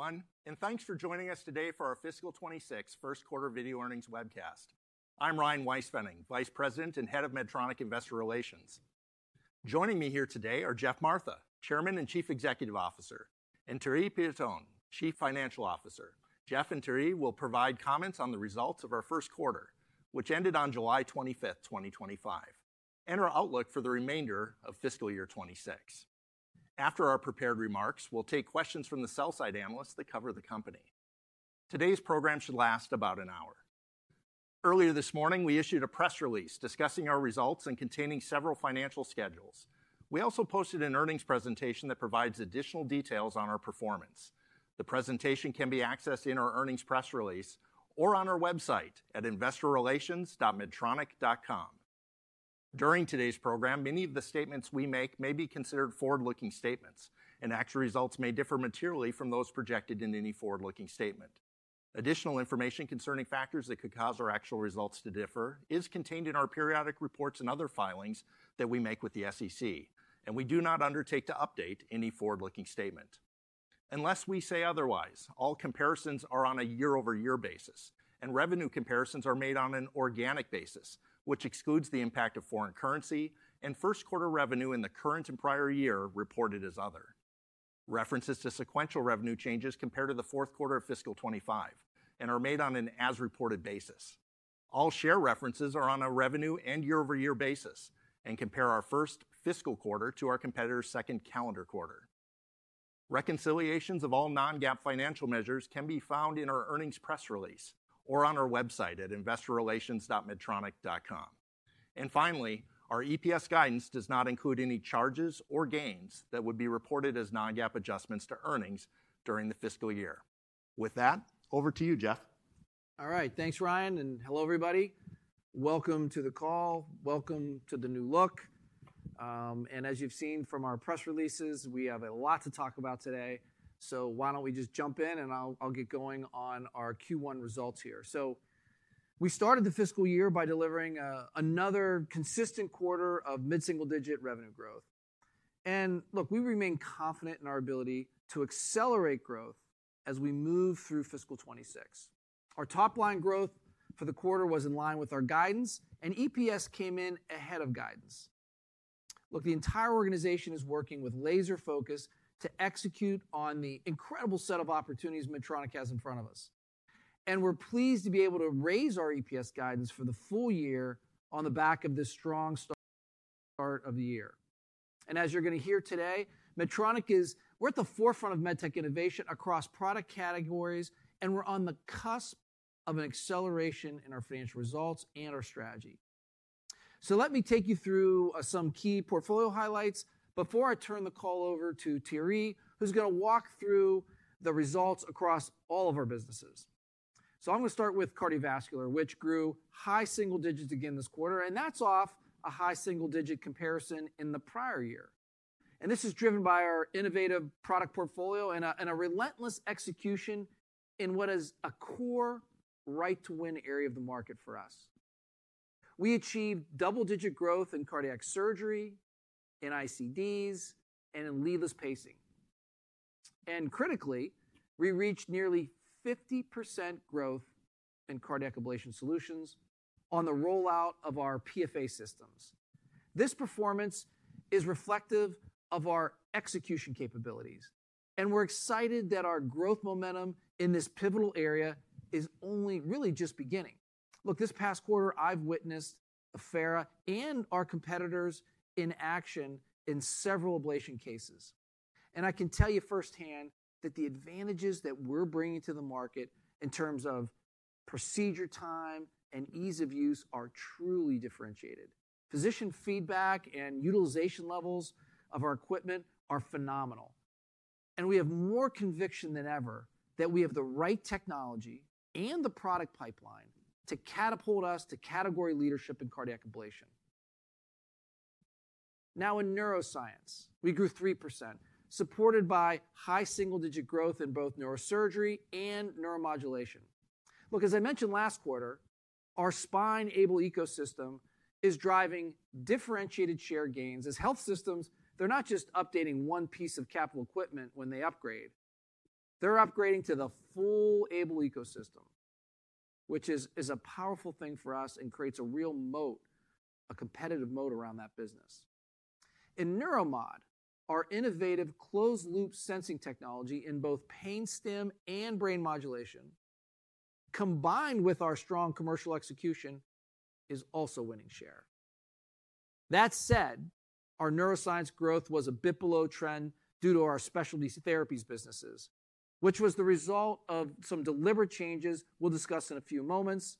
Hello everyone and thanks for joining us today for our Fiscal 2026 First Quarter Video Earnings Webcast. I'm Ryan Weispfenning, Vice President and Head of Medtronic Investor Relations. Joining me here today are Geoff Martha, Chairman and Chief Executive Officer, and Thierry Piéton, Chief Financial Officer. Geoff and Thierry will provide comments on the results of our first quarter, which ended on July 25, 2025, and our outlook for the remainder of fiscal year 2026. After our prepared remarks, we'll take questions from the sell side analysts that cover the company. Today's program should last about an hour. Earlier this morning, we issued a press release discussing our results and containing several financial schedules. We also posted an earnings presentation that provides additional details on our performance. The presentation can be accessed in our earnings press release or on our website at investorrelations.medtronic.com. During today's program, many of the statements we make may be considered forward-looking statements, and actual results may differ materially from those projected in any forward-looking statement. Additional information concerning factors that could cause our actual results to differ is contained in our periodic reports and other filings that we make with the SEC, and we do not undertake to update any forward-looking statement unless we say otherwise. All comparisons are on a year-over-year basis, and revenue comparisons are made on an organic basis, which excludes the impact of foreign currency. First quarter revenue in the current and prior year is reported as other. References to sequential revenue changes compare to the fourth quarter of fiscal 2025 and are made on an as-reported basis. All share references are on a revenue and year-over-year basis and compare our first fiscal quarter to our competitors' second calendar quarter. Reconciliations of all non-GAAP financial measures can be found in our earnings press release or on our website at investorrelations.medtronic.com. Finally, our EPS guidance does not include any charges or gains that would be reported as non-GAAP adjustments to earnings during the fiscal year. With that, over to you, Geoff. All right, thanks Ryan and hello everybody. Welcome to the call. Welcome to the new look and as you've seen from our press releases, we have a lot to talk about today. Why don't we just jump in and I'll get going on our Q1 results here. We started the fiscal year by delivering another consistent quarter of mid single-digit revenue growth and look. We remain confident in our ability to accelerate growth as we move through fiscal 2026. Our top line growth for the quarter was in line with our guidance and EPS came in ahead of guidance. The entire organization is working with laser focus to execute on the incredible set of opportunities Medtronic has in front of us, and we're pleased to be able to raise our EPS guidance for the full year on the back of this strong start of the year. As you're going to hear today, Medtronic is at the forefront of medtech innovation across product categories and we're on the cusp of an acceleration in our financial results and our strategy. Let me take you through some key portfolio highlights before I turn the call over to Thierry, who's going to walk through the results across all of our businesses. I'm going to start with cardiovascular, which grew high single-digits again this quarter and that's off a high single-digit comparison in the prior year. This is driven by our innovative product portfolio and a relentless execution in what is a core right to win area of the market for us. We achieved double digit growth in cardiac surgery, in ICDs and in leadless pacing and critically we reached nearly 50% growth in cardiac ablation solutions on the rollout of our PFA systems. This performance is reflective of our execution capabilities and we're excited that our growth momentum in this pivotal area is only really just beginning. This past quarter I've witnessed Affera and our competitors in action in several ablation cases and I can tell you firsthand that the advantages that we're bringing to the market in terms of procedure time and ease of use are truly differentiated. Physician feedback and utilization levels of our equipment are phenomenal and we have more conviction than ever that we have the right technology and the product pipeline to catapult us to category leadership in cardiac ablation. Now in neuroscience we grew 3% supported by high single-digit growth in both neurosurgery and neuromodulation. Look, as I mentioned last quarter, our AiBLE spine surgery ecosystem is driving differentiated share gains. As health systems, they're not just updating one piece of capital equipment when they upgrade, they're upgrading to the full AiBLE ecosystem, which is a powerful thing for us and creates a real moat, a competitive moat around that business. In Neuromod, our innovative closed loop sensing technology in both pain stim and brain modulation combined with our strong commercial execution is also winning share. That said, our neuroscience growth was a bit below trend due to our specialty therapies businesses, which was the result of some deliberate changes we'll discuss in a few moments,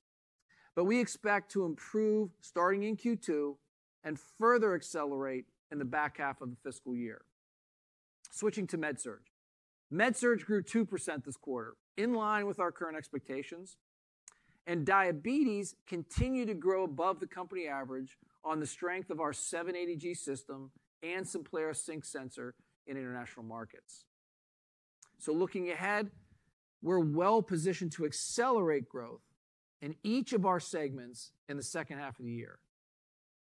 but we expect to improve starting in Q2 and further accelerate in the back half of the fiscal year. Switching to MedSurgical, MedSurg grew 2% this quarter in line with our current expectations and Diabetes continued to grow above the company average on the strength of our MiniMed 780G system and Simplera Sync CGM sensor in international markets. Looking ahead, we're well positioned to accelerate growth in each of our segments in the second half of the year.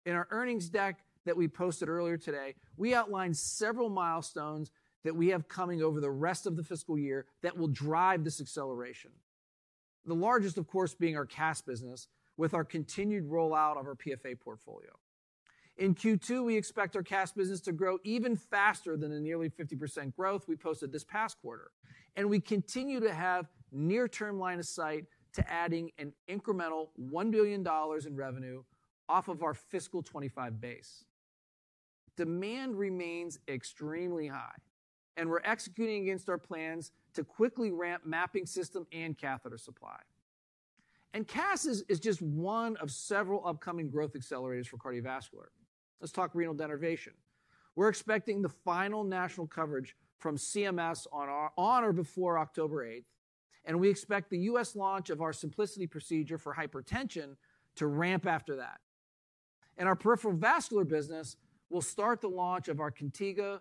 In our earnings deck that we posted earlier today, we outlined several milestones that we have coming over the rest of the fiscal year that will drive this acceleration, the largest of course being our CAS business. With our continued rollout of our PFA portfolio in Q2, we expect our CAS business to grow even faster than the nearly 50% growth we posted this past quarter and we continue to have near-term line of sight to adding an incremental $1 billion in revenue off of our fiscal 2025 base. Demand remains extremely high and we're executing against our plans to quickly ramp mapping system and catheter supply and CAS is just one of several upcoming growth accelerators for Cardiovascular. Let's talk renal denervation. We're expecting the final national coverage from CMS on or before October 8 and we expect the U.S. launch of our Symplicity procedure for hypertension to ramp after that. In our Peripheral Vascular business, we'll start the launch of our Contigo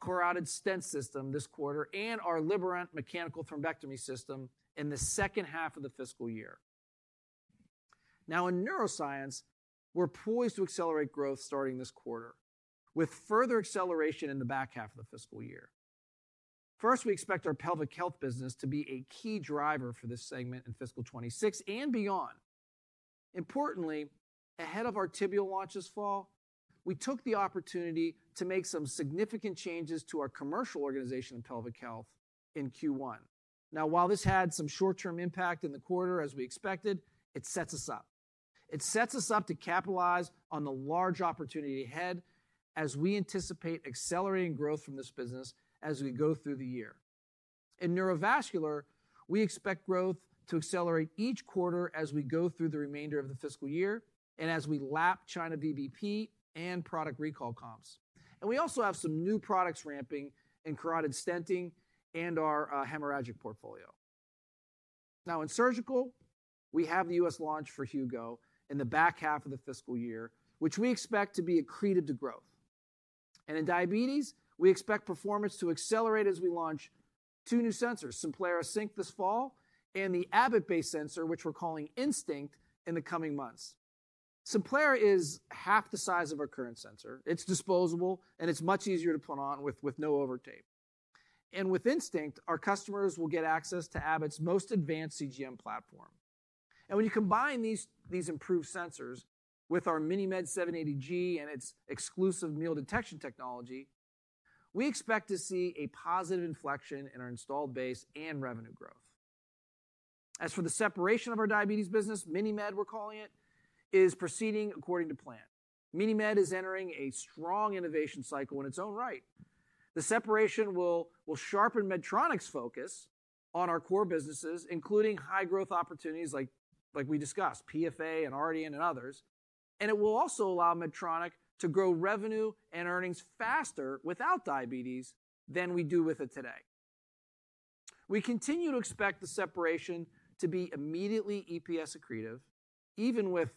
carotid stent system this quarter and our Liberant mechanical thrombectomy system in the second half of the fiscal year. In Neuroscience, we're poised to accelerate growth starting this quarter with further acceleration in the back half of the fiscal year. First, we expect our Pelvic Health business to be a key driver for this segment in fiscal 2026 and beyond. Importantly, ahead of our tibial launch this fall, we took the opportunity to make some significant changes to our commercial organization of Pelvic Health in Q1. While this had some short term impact in the quarter as we expected, it sets us up to capitalize on the large opportunity ahead as we anticipate accelerating growth from this business as we go through the year. In Neurovascular, we expect growth to accelerate each quarter as we go through the remainder of the fiscal year and as we lap China BBP and product recall comps. We also have some new products ramping in carotid stenting and our hemorrhagic portfolio. In Surgical, we have the U.S. launch for Hugo in the back half of the fiscal year, which we expect to be accretive to growth. In Diabetes, we expect performance to accelerate as we launch two new sensors, Simplera Sync this fall and the Abbott-based sensor, which we're calling Instinct, in the coming months. Simplera is half the size of our current sensor. It's disposable and it's much easier to put on with no overtape. With Instinct, our customers will get access to Abbott's most advanced CGM platform. When you combine these improved sensors with our MiniMed 780G and its exclusive meal detection technology, we expect to see a positive inflection in our installed base and revenue growth. As for the separation of our diabetes business, MiniMed, we're calling it, is proceeding according to plan. MiniMed is entering a strong innovation cycle in its own right. The separation will sharpen Medtronic's focus on our core businesses, including high growth opportunities like, like we discussed, PFA and Ardian and others. It will also allow Medtronic to grow revenue and earnings faster without diabetes than we do with it today. We continue to expect the separation to be immediately EPS accretive, even with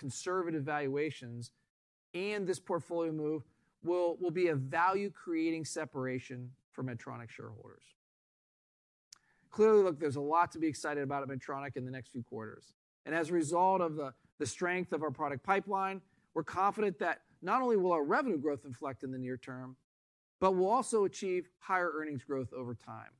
conservative valuations. This portfolio move will be a value creating separation for Medtronic shareholders, clearly. Look, there's a lot to be excited about at Medtronic in the next few quarters. As a result of the strength of our product pipeline, we're confident that not only will our revenue growth inflect in the near-term, but we'll also achieve higher earnings growth over time.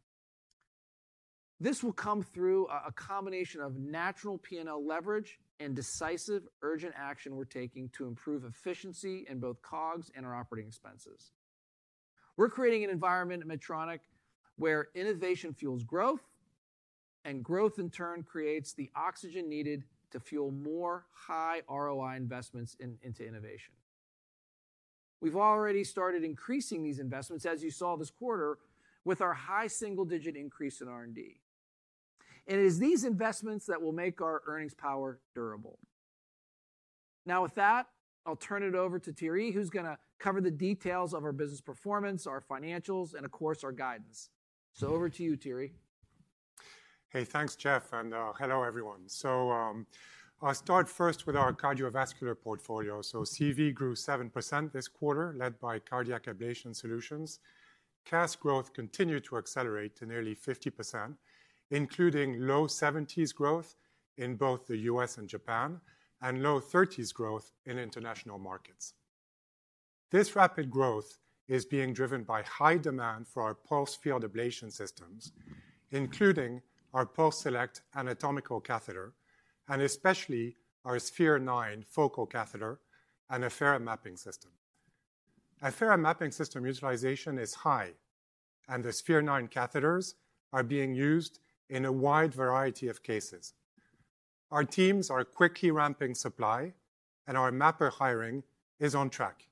This will come through a combination of natural P&L leverage and decisive urgent action we're taking to improve efficiency in both COGS and our operating expenses. We're creating an environment at Medtronic where innovation fuels growth, and growth in turn creates the oxygen needed to fuel more high ROI investments into innovation. We've already started increasing these investments, as you saw this quarter with our high single-digit increase in R&D. It is these investments that will make our earnings power durable. Now, with that, I'll turn it over to Thierry, who's going to cover the details of our business performance, our financials, and of course our guidance. Over to you, Thierry. Hey, thanks Geoff. Hello everyone. I'll start first with our cardiovascular portfolio. CV grew 7% this quarter, led by Cardiac Ablation Solutions. CAS growth continued to accelerate to nearly 50%, including low 70% growth in both the U.S. and Japan and low 30% growth in international markets. This rapid growth is being driven by high demand for our pulsed field ablation systems, including our PulseSelect anatomical catheter and especially our Sphere-9 focal catheter and Affera mapping system. Utilization is high and the Sphere-9 catheters are being used in a wide variety of cases. Our teams are quickly ramping supply and our mapper hiring is on track.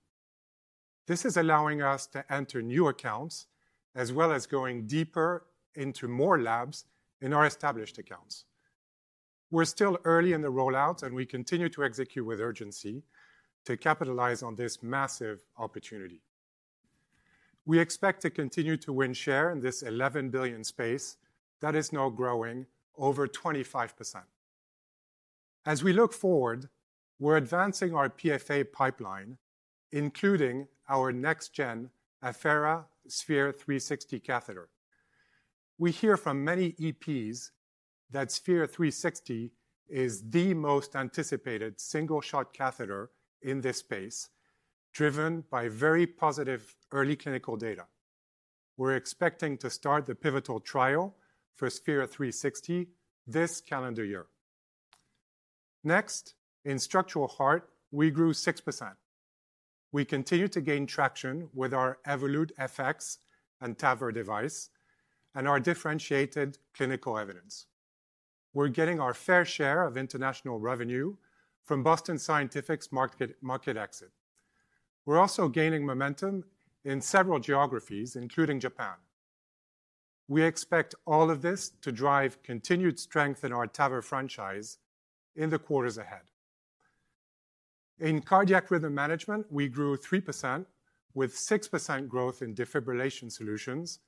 This is allowing us to enter new accounts as well as go deeper into more labs in our established accounts. We're still early in the rollout and we continue to execute with urgency to capitalize on this massive opportunity. We expect to continue to win share in this $11 billion space that is now growing over 25%. As we look forward, we're advancing our PFA pipeline, including our next-gen Affera Sphere-360 catheter. We hear from many EPs that Sphere-360 is the most anticipated single shot catheter in this space, driven by very positive early clinical data. We're expecting to start the pivotal trial for Sphere-360 this calendar year. Next, in Structural Heart, we grew 6%. We continue to gain traction with our Evolut FX TAVR device and our differentiated clinical evidence. We're getting our fair share of international revenue from Boston Scientific's market exit. We're also gaining momentum in several geographies, including Japan. We expect all of this to drive continued strength in our TAVR franchise in the quarters ahead. In Cardiac Rhythm Management, we grew 3% with 6% growth in defibrillation solutions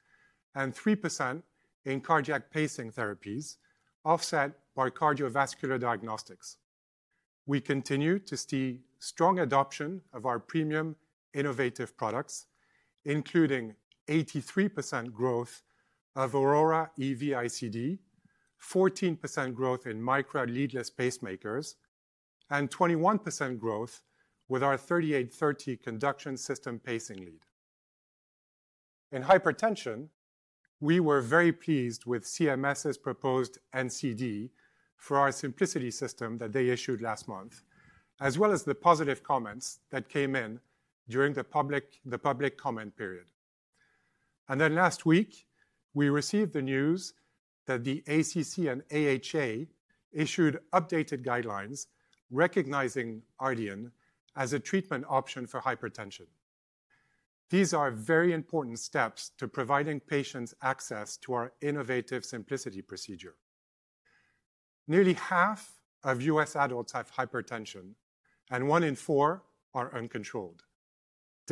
and 3% in cardiac pacing therapies, offset by cardiovascular diagnostics. We continue to see strong adoption of our premium innovative products, including 83% growth of Aurora EV-ICD, 14% growth in Micra leadless pacemakers, and 21% growth with our 3830 conduction system pacing lead. In hypertension, we were very pleased with CMS's proposed NCD for our Symplicity system that they issued last month, as well as the positive comments that came in during the public comment period. Last week we received the news that the ACC and AHA issued updated guidelines recognizing RDN as a treatment option for hypertension. These are very important steps to providing patients access to our innovative Symplicity procedure. Nearly half of U.S. adults have hypertension and one in four are uncontrolled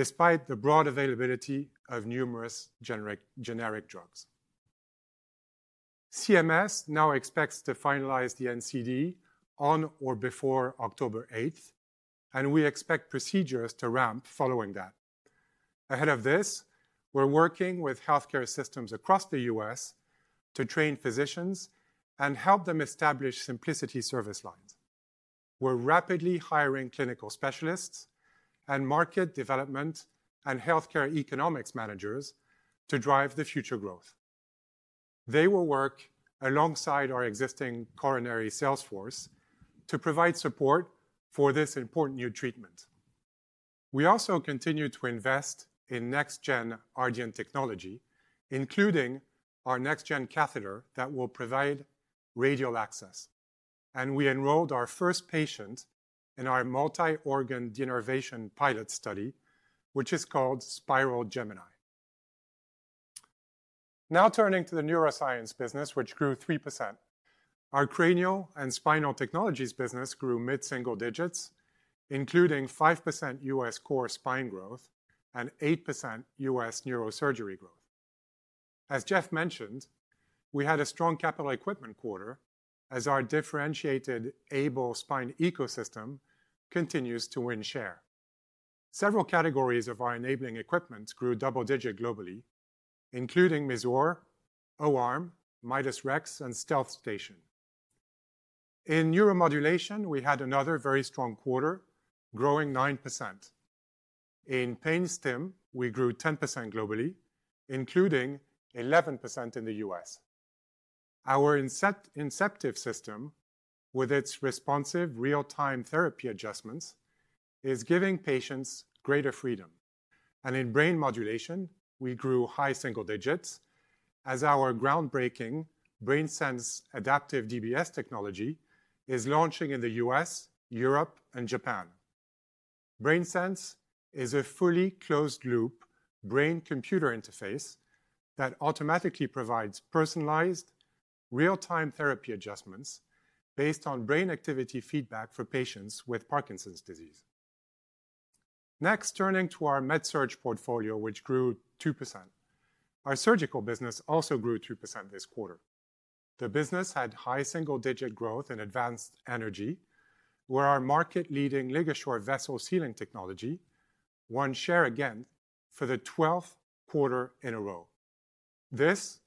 despite the broad availability of numerous generic drugs. CMS now expects to finalize the NCD on or before October 8 and we expect procedures to ramp following that. Ahead of this, we're working with healthcare systems across the U.S. to train physicians and help them establish Symplicity service lines. We're rapidly hiring clinical specialists and market development and healthcare economics managers to drive the future growth. They will work alongside our existing coronary sales force to provide support for this important new treatment. We also continue to invest in next gen RDN technology including our next gen catheter that will provide radial access and we enrolled our first patient in our multi-organ denervation pilot study which is called Spyral Gemini. Now turning to the Neuroscience business which grew 3%. Our Cranial and Spinal Technologies business grew mid single-digits including 5% U.S. core spine growth and 8% U.S. neurosurgery growth. As Geoff mentioned, we had a strong capital equipment quarter as our differentiated AiBLE spine ecosystem continues to win share. Several categories of our enabling equipment grew double digit globally including Mazor, O-arm, Midas Rex, and StealthStation. In Neuromodulation we had another very strong quarter growing 9% in pain stim, we grew 10% globally including 11% in the U.S. Our Inceptiv system with its responsive real time therapy adjustments is giving patients greater freedom and in brain modulation. We grew high single-digits as our groundbreaking BrainSense Adaptive Deep Brain Stimulation technology is launching in the U.S., Europe, and Japan. BrainSense is a fully closed loop brain computer interface that automatically provides personalized real time therapy adjustments based on brain activity feedback for patients with Parkinson's disease. Next turning to our MedSurg portfolio which grew 2%. Our Surgical business also grew 2% this quarter. The business had high single-digit growth in advanced energy where our market leading LigaSure vessel sealing technology won share again for the 12th quarter in a row. This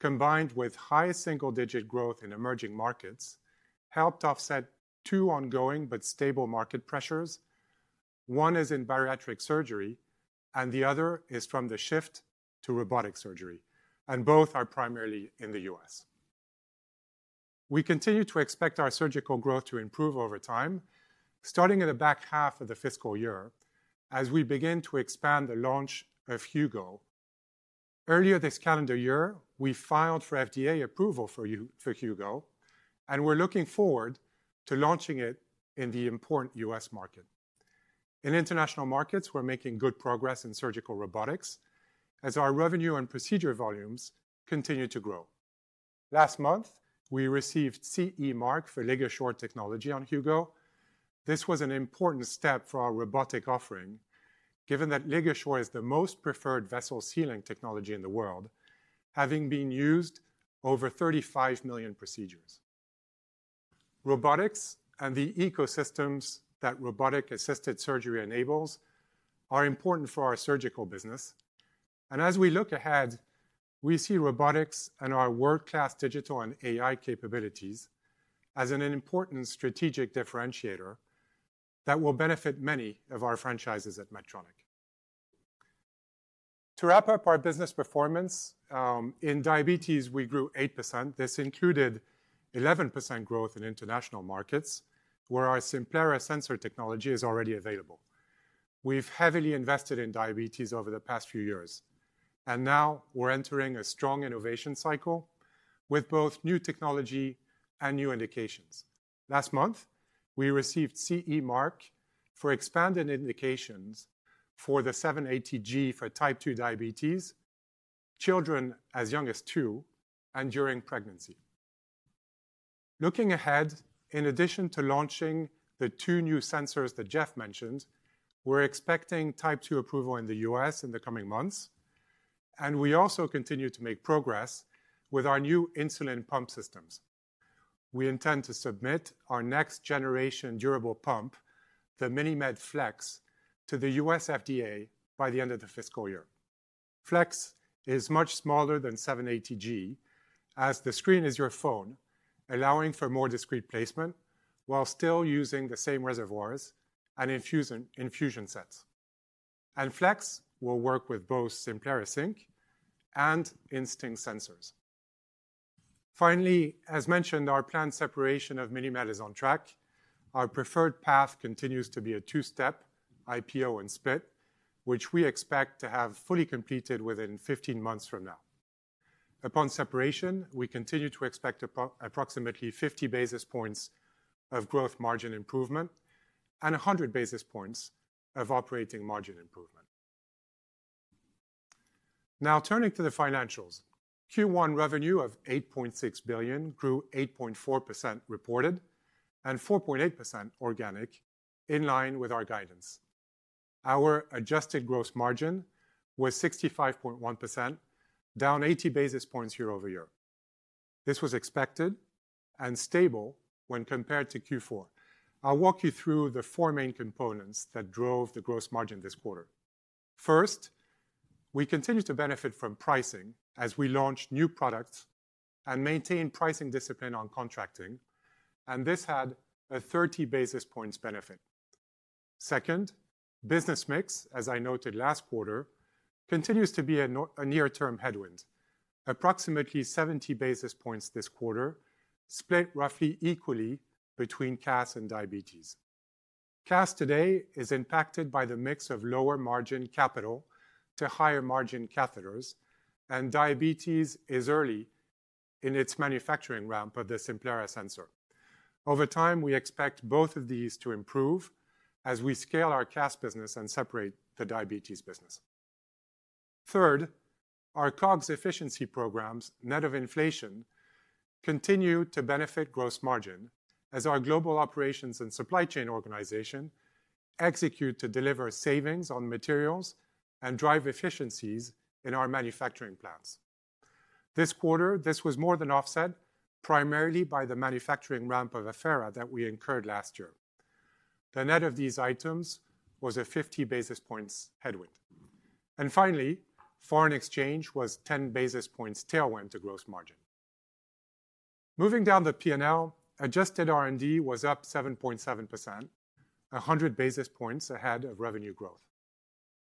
combined with high single-digit growth in emerging markets helped offset two ongoing but stable market pressures. One is in bariatric surgery and the other is from the shift to robotic surgery, and both are primarily in the U.S. We continue to expect our surgical growth to improve over time, starting in the back half of the fiscal year as we begin to expand the launch of Hugo. Earlier this calendar year, we filed for FDA approval for Hugo, and we're looking forward to launching it in the important U.S. market. In international markets, we're making good progress in surgical robotics as our revenue and procedure volumes continue to grow. Last month, we received CE Mark for LigaSure technology on Hugo. This was an important step for our robotic offering, given that LigaSure is the most preferred vessel sealing technology in the world, having been used in over 35 million procedures. Robotics and the ecosystems that robotic-assisted surgery enables are important for our surgical business. As we look ahead, we see robotics and our world-class digital and AI capabilities as an important strategic differentiator that will benefit many of our franchises at Medtronic. To wrap up our business performance in diabetes, we grew 8%. This included 11% growth in international markets where our Simplera sensor technology is already available. We've heavily invested in diabetes over the past few years, and now we're entering a strong innovation cycle with both new technology and new indications. Last month, we received CE Mark for expanded indications for the 780G for type 2 diabetes, children as young as 2, and during pregnancy. Looking ahead, in addition to launching the two new sensors that Geoff mentioned, we're expecting type 2 approval in the U.S. in the coming months, and we also continue to make progress with our new insulin pump systems. We intend to submit our next generation durable pump, the MiniMed Flex, to the U.S. FDA by the end of the fiscal year. Flex is much smaller than 780G, as the screen is your phone, allowing for more discrete placement while still using the same reservoirs and infusion sets, and Flex will work with both Simplera Sync and Instinct sensors. Finally, as mentioned, our planned separation of MiniMed is on track. Our preferred path continues to be a two-step IPO and split, which we expect to have fully completed within 15 months from now. Upon separation, we continue to expect approximately 50 basis points of gross margin improvement and 100 basis points of operating margin improvement. Now turning to the financials, Q1 revenue of $8.6 billion grew 8.4% reported and 4.8% organic. In line with our guidance, our adjusted gross margin was 65.1%, down 80 basis points year-over-year. This was expected and stable when compared to Q4. I'll walk you through the four main components that drove the gross margin this quarter. First, we continue to benefit from pricing as we launch new products and maintain pricing discipline on contracting, and this had a 30 basis points benefit. Second, business mix as I noted last quarter continues to be a near-term headwind, approximately 70 basis points this quarter split roughly equally between CAS and Diabetes. CAS today is impacted by the mix of lower margin capital to higher margin catheters, and Diabetes is early in its manufacturing ramp of the Simplera sensor. Over time, we expect both of these to improve as we scale our CAS business and separate the Diabetes business. Third, our COGS efficiency programs, net of inflation, continue to benefit gross margin as our global operations and supply chain organization execute to deliver savings on materials and drive efficiencies in our manufacturing plants. This quarter, this was more than offset primarily by the manufacturing ramp of Affera that we incurred last year. The net of these items was a 50 basis points headwind, and finally, foreign exchange was a 10 basis points tailwind to gross margin. Moving down the P&L, adjusted R&D was up 7.7%, 100 basis points ahead of revenue growth.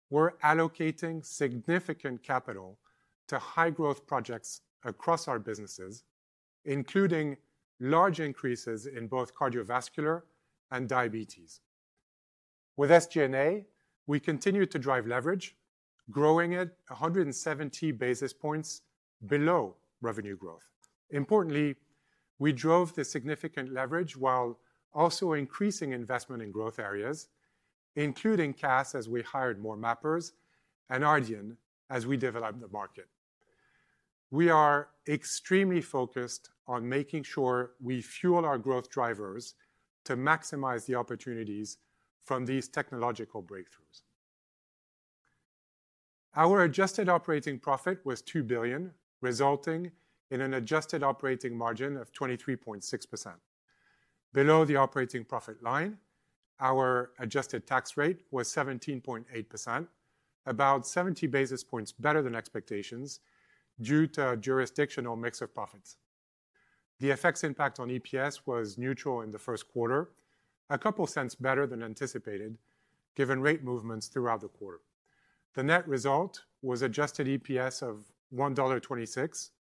We're allocating significant capital to high growth projects across our businesses, including large increases in both Cardiovascular and Diabetes. With SG&A, we continue to drive leverage, growing it 170 basis points below revenue growth. Importantly, we drove the significant leverage while also increasing investment in growth areas including CAS, as we hired more mappers and Adyen. As we developed the market, we are extremely focused on making sure we fuel our growth drivers to maximize the opportunities from these technological breakthroughs. Our adjusted operating profit was $2 billion, resulting in an adjusted operating margin of 23.6%. Below the operating profit line, our adjusted tax rate was 17.8%, about 70 basis points better than expectations due to jurisdictional mix of profits. The FX impact on EPS was neutral in the first quarter, a couple cents better than anticipated. Given rate movements throughout the quarter, the net result was adjusted EPS of $1.26,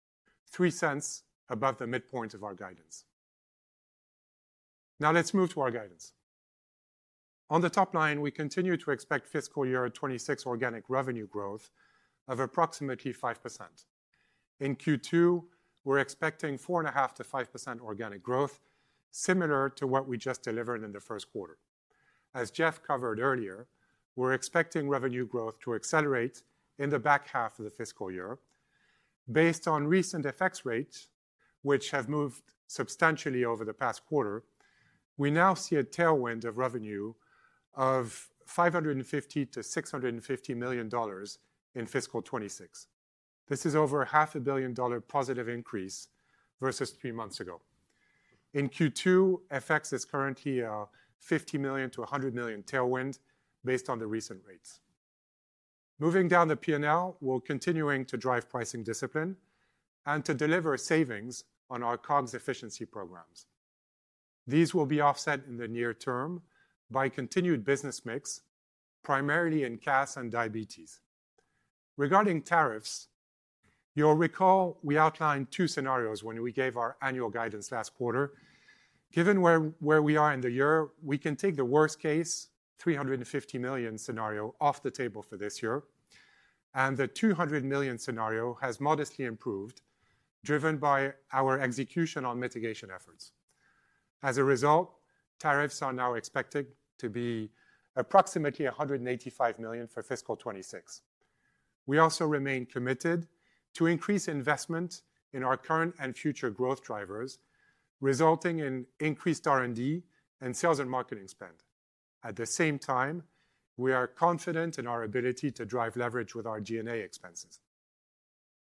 $0.03 above the midpoint of our guidance. Now let's move to our guidance on the top line. We continue to expect fiscal year 2026 organic revenue growth of approximately 5%. In Q2 we're expecting 4.5%-5% organic growth, similar to what we just delivered in the first quarter. As Geoff covered earlier, we're expecting revenue growth to accelerate in the back half of the fiscal year. Based on recent FX rates, which have moved substantially over the past quarter, we now see a tailwind of revenue of $550 million-$650 million in fiscal 2026. This is over a half a billion dollar positive increase versus three months ago in Q2. FX is currently a $50 million-$100 million tailwind based on the recent rates moving down the P&L. We're continuing to drive pricing discipline and to deliver savings on our comms efficiency programs. These will be offset in the near-term by continued business mix, primarily in CAS and diabetes. Regarding tariffs, you'll recall we outlined two scenarios when we gave our annual guidance last quarter. Given where we are in the year, we can take the worst case $350 million scenario off the table for this year, and the $200 million scenario has modestly improved driven by our execution on mitigation efforts. As a result, tariffs are now expected to be approximately $185 million for fiscal 2026. We also remain committed to increase investment in our current and future growth drivers, resulting in increased R&D and sales and marketing spend. At the same time, we are confident in our ability to drive leverage with our G&A expenses.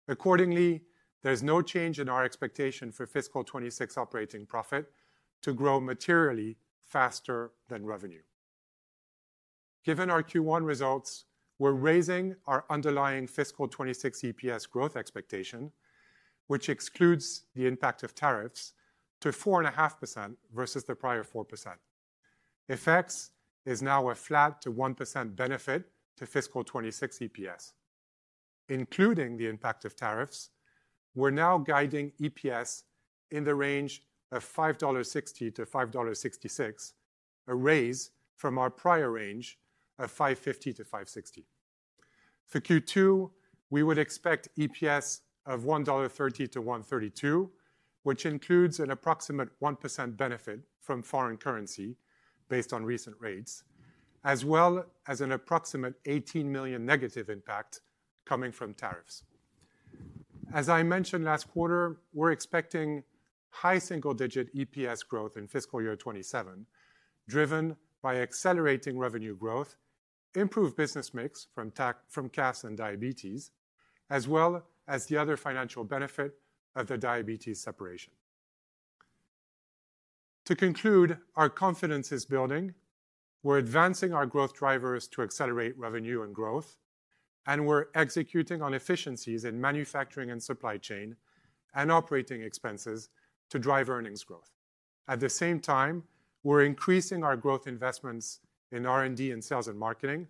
Accordingly, there is no change in our expectation for fiscal 2026 operating profit to grow materially faster than revenue. Given our Q1 results, we're raising our underlying fiscal 2026 EPS growth expectation, which excludes the impact of tariffs, to 4.5% versus the prior 4%. FX is now a flat to 1% benefit to fiscal 2026 EPS, including the impact of tariffs. We're now guiding EPS in the range of $5.60-$5.66, a raise from our prior range of $5.50-$5.60. For Q2, we would expect EPS of $1.30-$1.32, which includes an approximate 1% benefit from foreign currency based on recent rates, as well as an approximate $18 million negative impact coming from tariffs. As I mentioned last quarter, we're expecting high single-digit EPS growth in fiscal year 2027 driven by accelerating revenue growth, improved business mix from CAS and diabetes, as well as the other financial benefit of the diabetes separation. To conclude, our confidence is building. We're advancing our growth drivers to accelerate revenue and growth, and we're executing on efficiencies in manufacturing and supply chain and operating expenses to drive earnings growth. At the same time, we're increasing our growth investments in R&D and sales and marketing,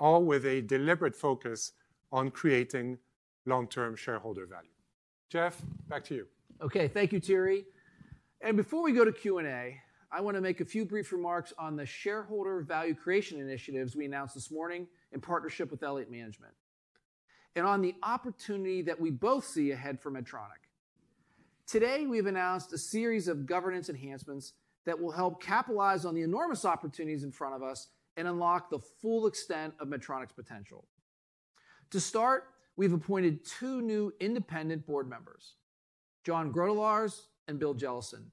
all with a deliberate focus on creating long-term shareholder value. Geoff, back to you. Okay, thank you, Thierry. Before we go to Q and A, I want to make a few brief remarks on the shareholder value creation initiatives we announced this morning in partnership with Elliott Investment Management and on the opportunity that we both see ahead for Medtronic. Today, we've announced a series of governance enhancements that will help capitalize on the enormous opportunities in front of us and unlock the full, full extent of Medtronic's potential. To start, we've appointed two new independent board members, John Groetelaars and Bill Jellison,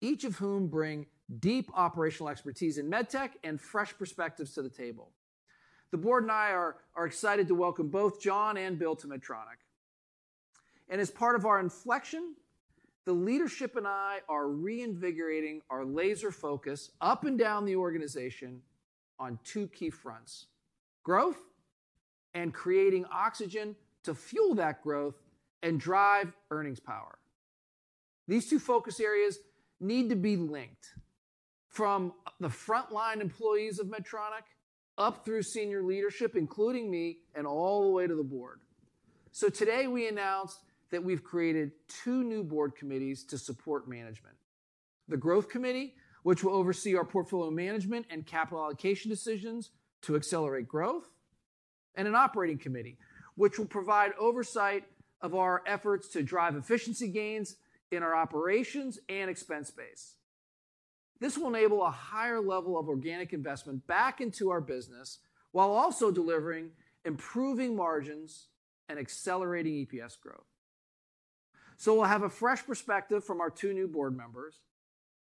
each of whom bring deep operational expertise in medtech and fresh perspectives to the table. The Board and I are excited to welcome both John and Bill to Medtronic. As part of our inflection, the leadership and I are reinvigorating our laser focus up and down the organization on two key fronts, growth and creating oxygen to fuel that growth and drive earnings power. These two focus areas need to be linked from the frontline employees of Medtronic, up through senior leadership, including me, and all the way to the Board. Today we announced that we've created two new board committees to support management. The Growth Committee, which will oversee our portfolio management and capital allocation decisions to accelerate growth, and an Operating Committee which will provide oversight of our efforts to drive efficiency gains in our operations and expense base. This will enable a higher level of organic investment back into our business while also delivering improving margins and accelerating EPS growth. We'll have a fresh perspective from our two new board members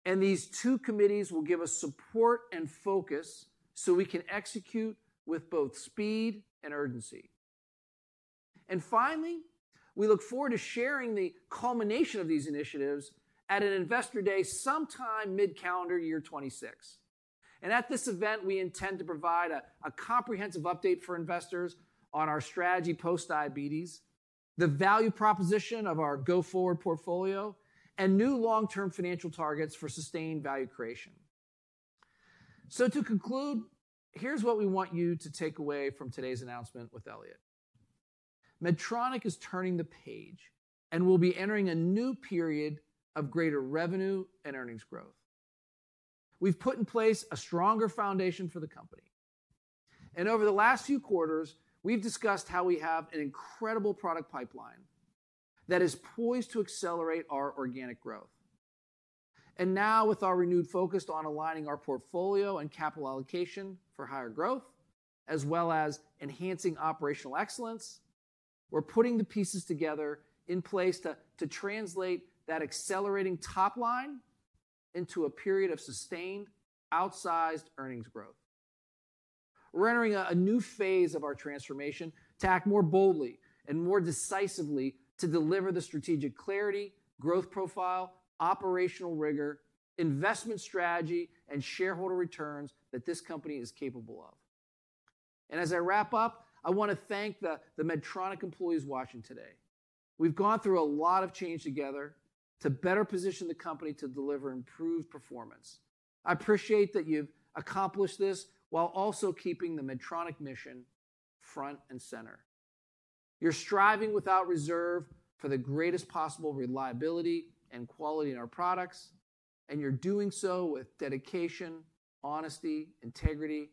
and these two committees will give us support and focus so we can execute with both speed and urgency. Finally, we look forward to sharing the culmination of these initiatives at an Investor Day sometime mid calendar year 2026. At this event we intend to provide a comprehensive update for investors on our strategy post diabetes, the value proposition of our go forward portfolio, and new long term financial targets for sustained value creation. To conclude, here's what we want you to take away from today's announcement with Elliott. Medtronic is turning the page and will be entering a new period of greater revenue and earnings growth. We've put in place a stronger foundation for the company and over the last few quarters we've discussed how we have an incredible product pipeline that is poised to accelerate our organic growth. With our renewed focus on aligning our portfolio and capital allocation for higher growth as well as enhancing operational excellence, we're putting the pieces together in place to translate that accelerating top line into a period of sustained outsized earnings growth, rendering a new phase of our transformation to act more boldly and more decisively to deliver the strategic clarity, growth profile, operational rigor, investment strategy, and shareholder returns that this company is capable of. As I wrap up, I want to thank the Medtronic employees watching today. We've gone through a lot of change together to better position the company to deliver improved performance. I appreciate that you've accomplished this while also keeping the Medtronic mission front and center. You're striving without reserve for the greatest possible reliability and quality in our products, and you're doing so with dedication, honesty, integrity,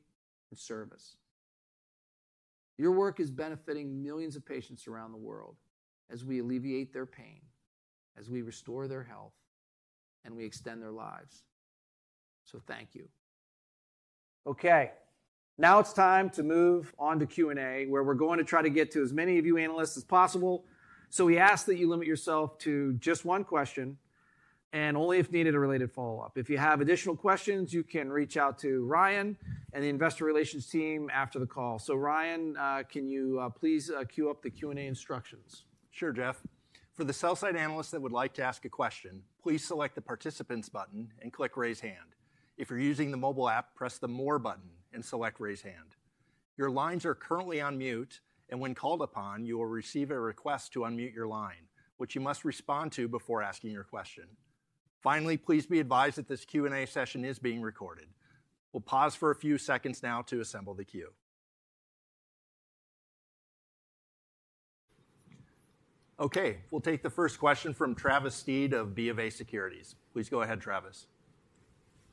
and service. Your work is benefiting millions of patients around the world as we alleviate their pain, as we restore their health, and we extend their lives. Thank you. Now it's time to move on to Q and A where we're going to try to get to as many of you analysts as possible. We ask that you limit yourself to just one question and only if needed, a related follow up. If you have additional questions, you can reach out to Ryan and the investor relations team after the call. Ryan, can you please queue up the Q and A instructions? Sure, Geoff. For the sell-side analyst that would like to ask a question, please select the Participants button and click Raise Hand. If you're using the mobile app, press the More button and select Raise Hand. Your lines are currently on mute, and when called upon, you will receive a request to unmute your line, which you must respond to before asking your question. Finally, please be advised that this Q&A session is being recorded. We'll pause for a few seconds now to assemble the queue. Okay, we'll take the first question from Travis Steed of BofA Securities. Please go ahead, Travis.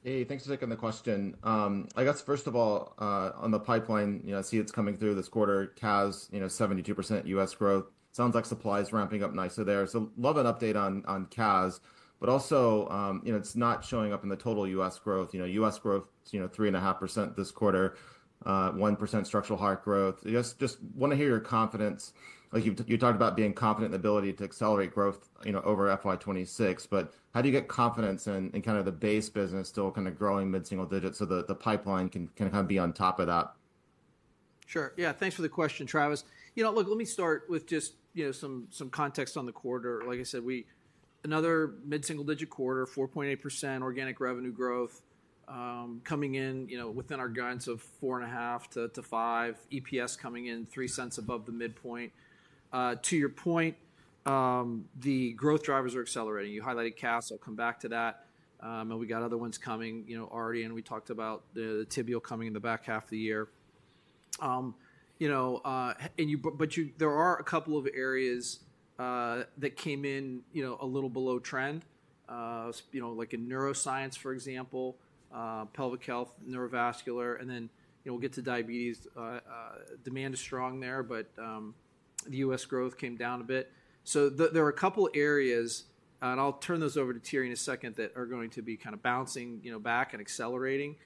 Hey, thanks for taking the question. I guess first of all on the pipeline, you know, see it's coming through this quarter. CAS, you know, 72% U.S. growth sounds like supply is ramping up nicely there. Love an update on CAS. Also, you know, it's not showing up in the total U.S. growth. U.S. growth, you know, 3.5% this quarter, 1% structural heart growth. Just want to hear your confidence. Like you've talked about being confident in ability to accelerate growth, you know, over FY 2026, but how do you get confidence in kind of the base business still kind of growing mid single-digits so that the pipeline can kind of be on top of that? Sure, yeah. Thanks for the question, Travis. You know, look, let me start with just some context on the quarter. Like I said, we had another mid single-digit quarter, 4.8% organic revenue growth coming in within our guidance of 4.5%-5%. EPS coming in $0.03 above the midpoint. To your point, the growth drivers are accelerating. You highlighted CAS. I'll come back to that. We got other ones coming already, and we talked about the tibial coming in the back half of the year. There are a couple of areas that came in a little below trend, like in Neuroscience, for example, Pelvic Health, Neurovascular. We'll get to Diabetes. Demand is strong there, but the U.S. growth came down a bit. There are a couple areas, and I'll turn those over to Thierry in a second, that are going to be bouncing back and accelerating.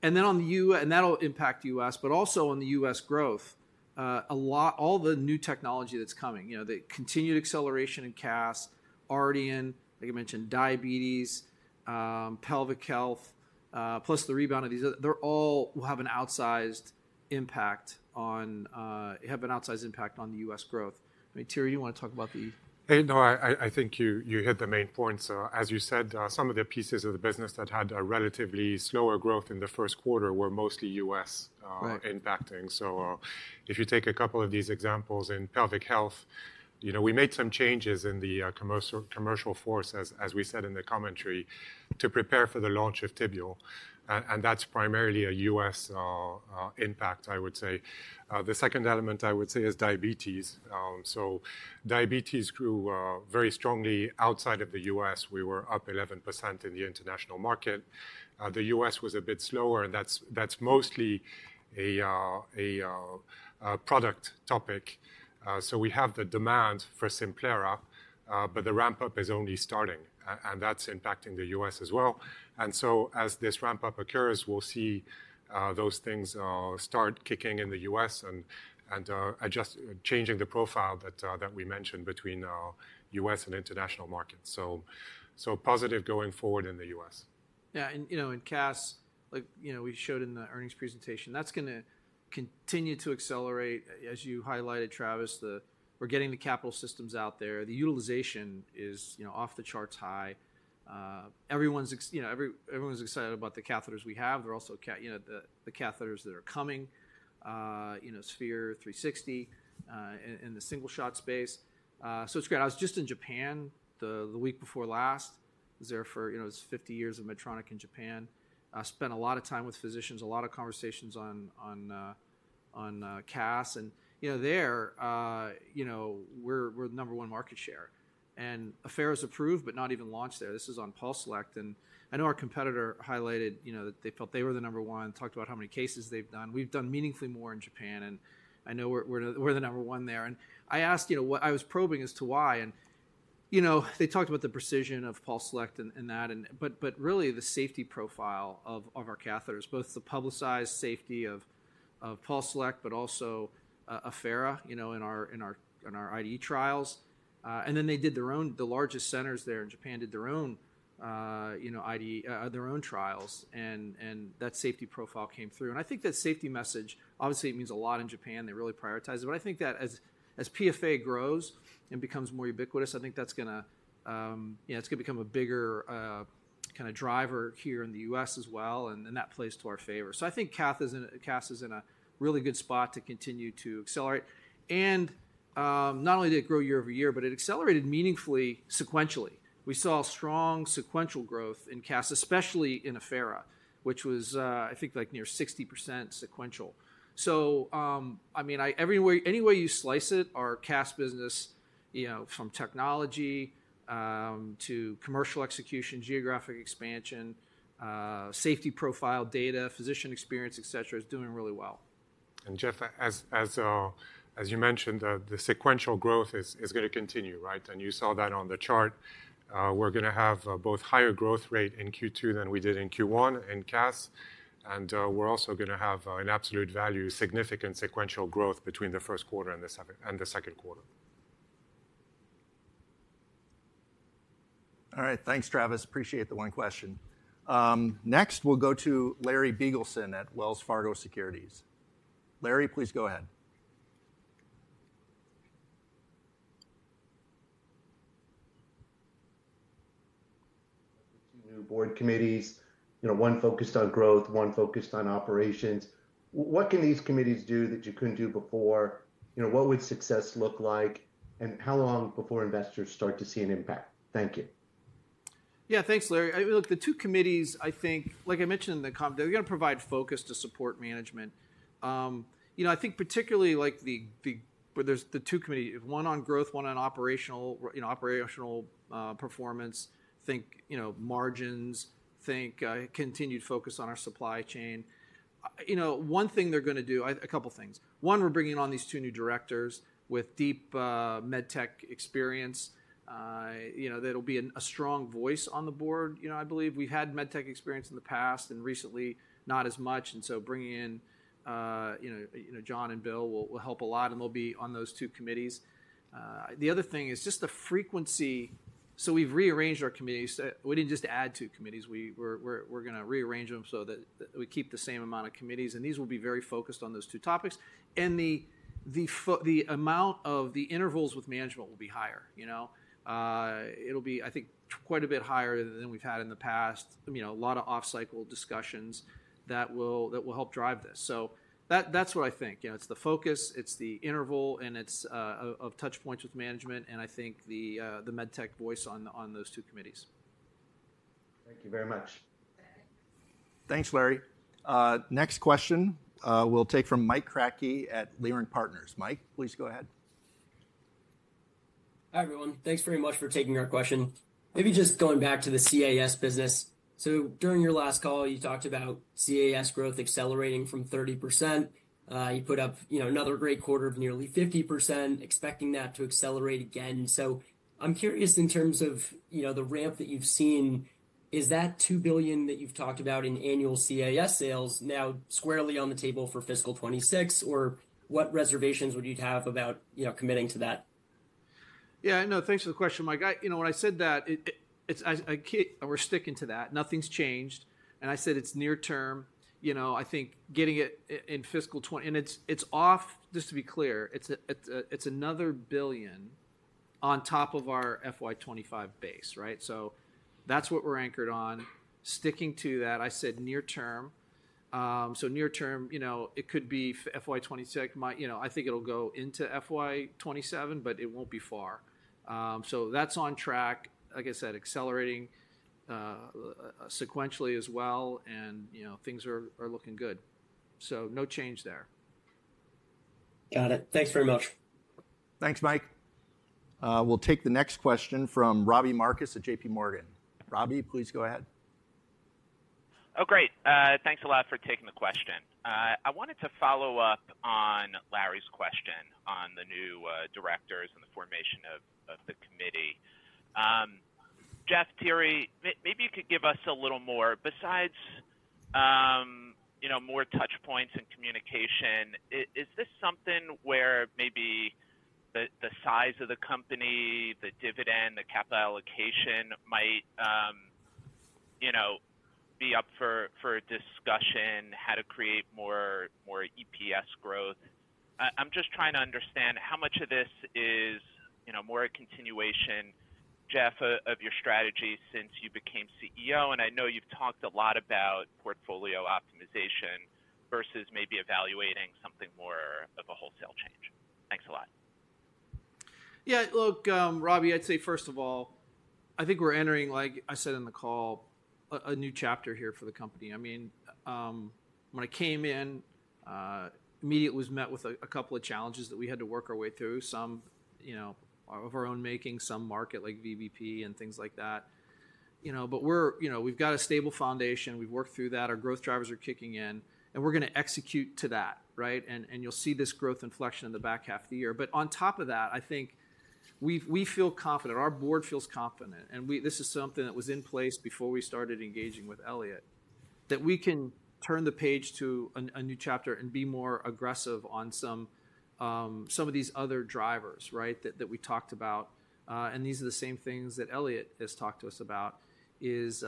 That'll impact us, but also on the U.S. growth a lot. All the new technology that's coming, the continued acceleration in CAS, as I mentioned, Diabetes, Pelvic Health, plus the rebound of these, they all will have an outsized impact on the U.S. growth. I mean, Thierry, you want to talk about the. Hey, no, I think you hit the main points. As you said, some of the pieces of the business that had a relatively slower growth in the first quarter were mostly U.S. impacting. If you take a couple of these examples in pelvic health, we made some changes in the commercial force, as we said in the commentary, to prepare for the launch of Tibial. That's primarily a U.S. impact, I would say. The second element, I would say, is diabetes. Diabetes grew very strongly outside of the U.S.; we were up 11% in the international market. The U.S. was a bit slower, and that's mostly a product topic. We have the demand for Simplera, but the ramp up is only starting, and that's impacting the U.S. as well. As this ramp up occurs, we'll see those things start kicking in the U.S. and changing the profile that we mentioned between U.S. and international markets. Positive going forward in the U.S. Yeah. As you know, we showed in the earnings presentation, that's going to continue to accelerate. As you highlighted, Travis, we're getting the capital systems out there, the utilization is off the charts high. Everyone's excited about the catheters we have. They're also the catheters that are coming, you know, Sphere-360 and the single shot space. It's great. I was just in Japan the week before last, was there for 50 years of Medtronic in Japan, spent a lot of time with physicians, a lot of conversations on CAS, and there we're the number one market share and Affera is approved but not even launched there. This is on PulseSelect and I know our competitor highlighted that they felt they were the number one, talked about how many cases they've done. We've done meaningfully more in Japan and I know we're the number one there. I was probing as to why and they talked about the precision of PulseSelect and that, but really the safety profile of our catheters, both the publicized safety of PulseSelect but also Affera in our ID trials. They did their own, the largest centers there in Japan did their own ID, their own trials and that safety profile came through and I think that safety message, obviously it means a lot in Japan, they really prioritize it. I think that as PFA grows and becomes more ubiquitous, that's going to become a bigger kind of driver here in the U.S. as well. That plays to our favor. I think CAS is in a really good spot to continue to accelerate. Not only did it grow year-over-year, but it accelerated meaningfully sequentially. We saw strong sequential growth in CAS, especially in Affera which was I think like near 60% sequential. Any way you slice it, our CAS business, from technology to commercial execution, geographic expansion, safety profile, data, physician experience, et cetera, is doing really well. Geoff, as you mentioned, the sequential growth is going to continue, right? You saw that on the chart. We're going to have both higher growth rate in Q2 than we did in Q1 in CAS, and we're also going to have an absolute value significant sequential growth between the first quarter and the second quarter. All right, thanks, Travis. Appreciate the one question. Next, we'll go to Larry Biegelsen at Wells Fargo Securities. Larry, please go ahead. New board committees, you know, one focused on growth, one focused on operations. What can these committees do that you couldn't do before? You know what would success look like? How long before investors start to see an impact? Thank you. Yeah, thanks, Larry. Look, the two committees, I think like I mentioned in the comment, they're going to provide focus to support management. I think particularly where there's the two committees, one on growth, one on operational, operational performance, think margins, continued focus on our supply chain. One thing they're going to do a couple things. One, we're bringing on these two new directors with deep medtech experience. That'll be a strong voice on the board. I believe we had medtech experience in the past and recently not as much. Bringing in John and Bill will help a lot and they'll be on those two committees. The other thing is just the frequency. We've rearranged our committees. We didn't just add two committees, we're going to rearrange them so that we keep the same amount of committees and these will be very focused on those two topics. The amount of the intervals with management will be higher. It'll be, I think, quite a bit higher than we've had in the past. A lot of off cycle discussions that will help drive this. That's what I think. It's the focus, it's the interval and it's the touch points with management and I think the medtech voice on those two committees. Thank you very much. Thanks, Larry. Next question we'll take from Mike Kracke at Leerink Partners. Mike, please go ahead. Hi, everyone. Thanks very much for taking our question. Maybe just going back to the CAS business. During your last call, you talked about CAS growth accelerating from 30%. You put up another great quarter of nearly 50%, expecting that to accelerate again. I'm curious, in terms of the ramp that you've seen, is that $2 billion that you've talked about in annual CAS sales now squarely on the table for fiscal 2026, or what reservations would you have about committing to that? Yeah, no, thanks for the question, Mike. When I said that, we're sticking to that. Nothing's changed. I said it's near-term. I think getting it in fiscal 2026, and just to be clear, it's another $1 billion on top of our FY 2025 base. Right. That's what we're anchored on. Sticking to that. I said near-term. near-term, it could be FY 2026. I think it'll go into FY 2027, but it won't be far. That's on track. Like I said, accelerating sequentially as well, and things are looking good. No change there. Got it. Thanks very much. Thanks, Mike. We'll take the next question from Robbie Marcus at JPMorgan. Robbie, please go ahead. Oh, great. Thanks a lot for taking the question. I wanted to follow up on Larry's question on the new directors formation of the committee. Geoff, Thierry, maybe you could give us a little more besides, you know, more touch points and communication. Is this something where maybe the size of the company, the dividend, the capital allocation might be up for discussion, how to create more EPS growth? I'm just trying to understand how much of this is, you know, more a continuation, Geoff, of your strategy since you became CEO. I know you've talked a lot about portfolio optimization versus maybe evaluating something more of a wholesale change. Thanks a lot. Yeah. Look, Robbie, I'd say first of all, I think we're entering, like I said in the call, a new chapter here for the company. I mean, when I came in immediately, was met with a couple of challenges that we had to work our way through, some of our own making, some market like VVP and things like that, but we've got a stable foundation, we've worked through that. Our growth drivers are kicking in and we're going to execute to that. You'll see this growth inflection in the back half of the year. On top of that, I think we feel confident, our board feels confident, and this is something that was in place before we started engaging with Elliott, that we can turn the page to a new chapter and be more aggressive on some of these other drivers that we talked about. These are the same things that Elliott has talked to us about. It's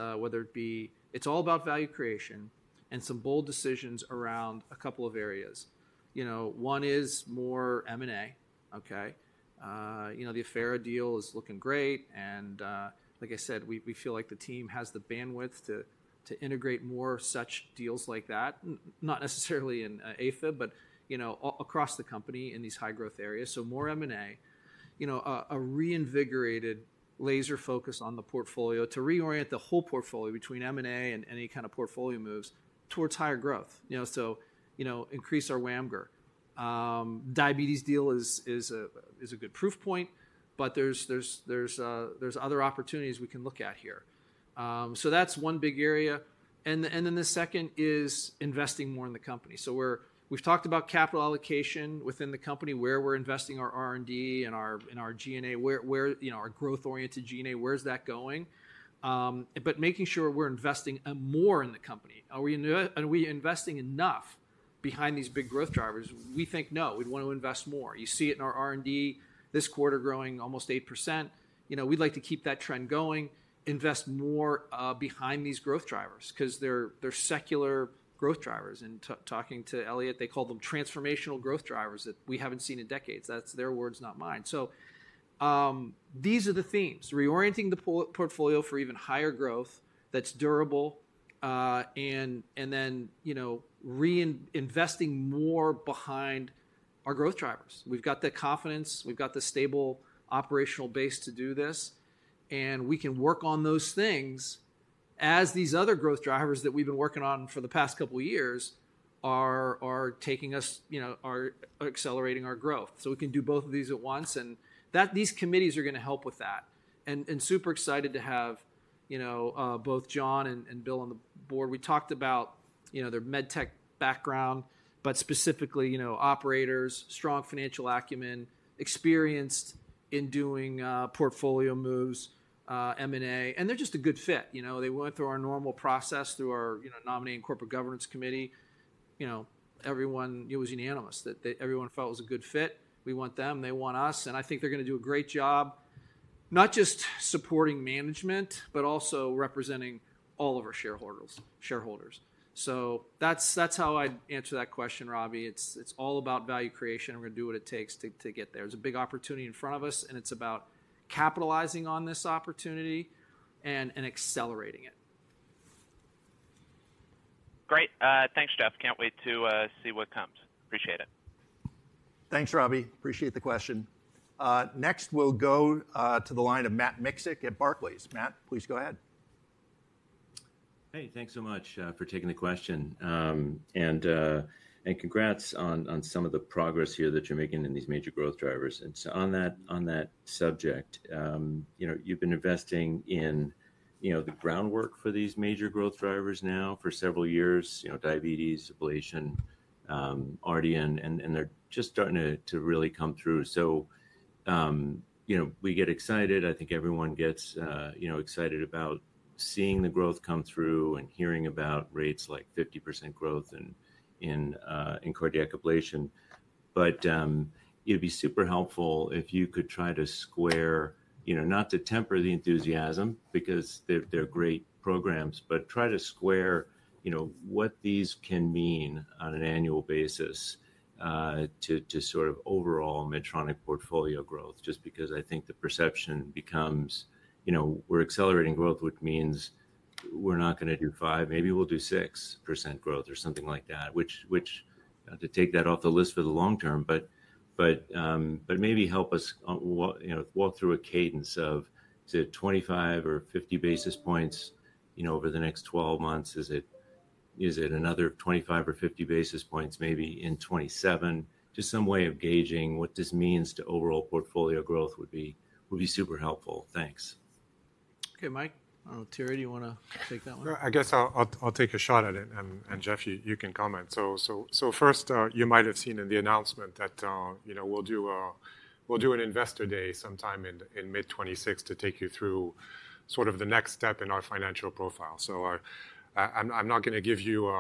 all about value creation and some bold decisions around a couple of areas. One is more M&A. The Affera deal is looking great and like I said, we feel like the team has the bandwidth to integrate more such deals like that, not necessarily in AFib, but across the company in these high growth areas. More M&A, reinvigorated laser focus on the portfolio to reorient the whole portfolio between M&A and any kind of portfolio moves towards higher growth. Our WAMGR diabetes deal is a good proof point, but there's other opportunities we can look at here. That's one big area. The second is investing more in the company. We've talked about capital allocation within the company, where we're investing our R&D, in our G&A, where our growth-oriented G&A, where's that going, but making sure we're investing more in the company. Are we investing enough behind these big growth drivers? We think no, we'd want to invest more. You see it in our R&D this quarter growing almost 8%. We'd like to keep that trend going, invest more behind these growth drivers because they're secular growth drivers. Talking to Elliott, they call them transformational growth drivers that we haven't seen in decades. That's their words, not mine. These are the themes: reorienting the portfolio for even higher growth that's durable, and then reinvesting more behind our growth drivers. We've got the confidence, we've got the stable operational base to do this, and we can work on those things as these other growth drivers that we've been working on for the past couple years are taking us, you know, are accelerating our growth. We can do both of these at once, and these committees are going to help with that. I'm super excited to have, you know, both John and Bill on the board. We talked about, you know, their med tech background, but specifically, you know, operators, strong financial acumen, experienced in doing portfolio moves, M&A, and they're just a good fit. They went through our normal process through our, you know, Nominating and Corporate Governance Committee. It was unanimous that everyone felt it was a good fit. We want them, they want us. I think they're going to do a great job, not just supporting management, but also representing all of our shareholders. That's how I'd answer that question, Robbie. It's all about value creation. We're going to do what it takes to get there. There's a big opportunity in front of us, and it's about capitalizing on this opportunity and accelerating it. Great. Thanks, Geoff. Can't wait to see what comes. Appreciate it. Thanks, Robbie. Appreciate the question. Next, we'll go to the line of Matt Miksic at Barclays. Matt, please go ahead. Hey, thanks so much for taking the question and congrats on some of the progress here that you're making in these major growth drivers. On that subject, you've been investing in the groundwork for these major growth drivers now for several years. Diabetes, ablation, RDN, and they're just starting to really come through. We get excited. I think everyone gets excited about seeing the growth come through and hearing about rates like 50% growth in cardiac ablation. It'd be super helpful if you could try to square, not to temper the enthusiasm because they're great programs, but try to square what these can mean on an annual basis to sort of overall Medtronic portfolio growth. Just because I think the perception becomes we're accelerating growth, which means we're not going to do 5%, maybe we'll do 6% growth or something like that, which to take that off the list for the long term. Maybe help us walk through a cadence of, say, 25 basis points or 50 basis points over the next 12 months. Is it another 25 basis points or 50 basis points, maybe in 2027? Just some way of gauging what this means to overall portfolio growth would be super helpful. Thanks. Okay Mike. Terry, do you want to take that one? I guess I'll take a shot at it. Geoff, you can comment. First, you might have seen in the announcement that we'll do an investor day sometime in mid 2026 to take you through the next step in our financial profile. I'm not going to give you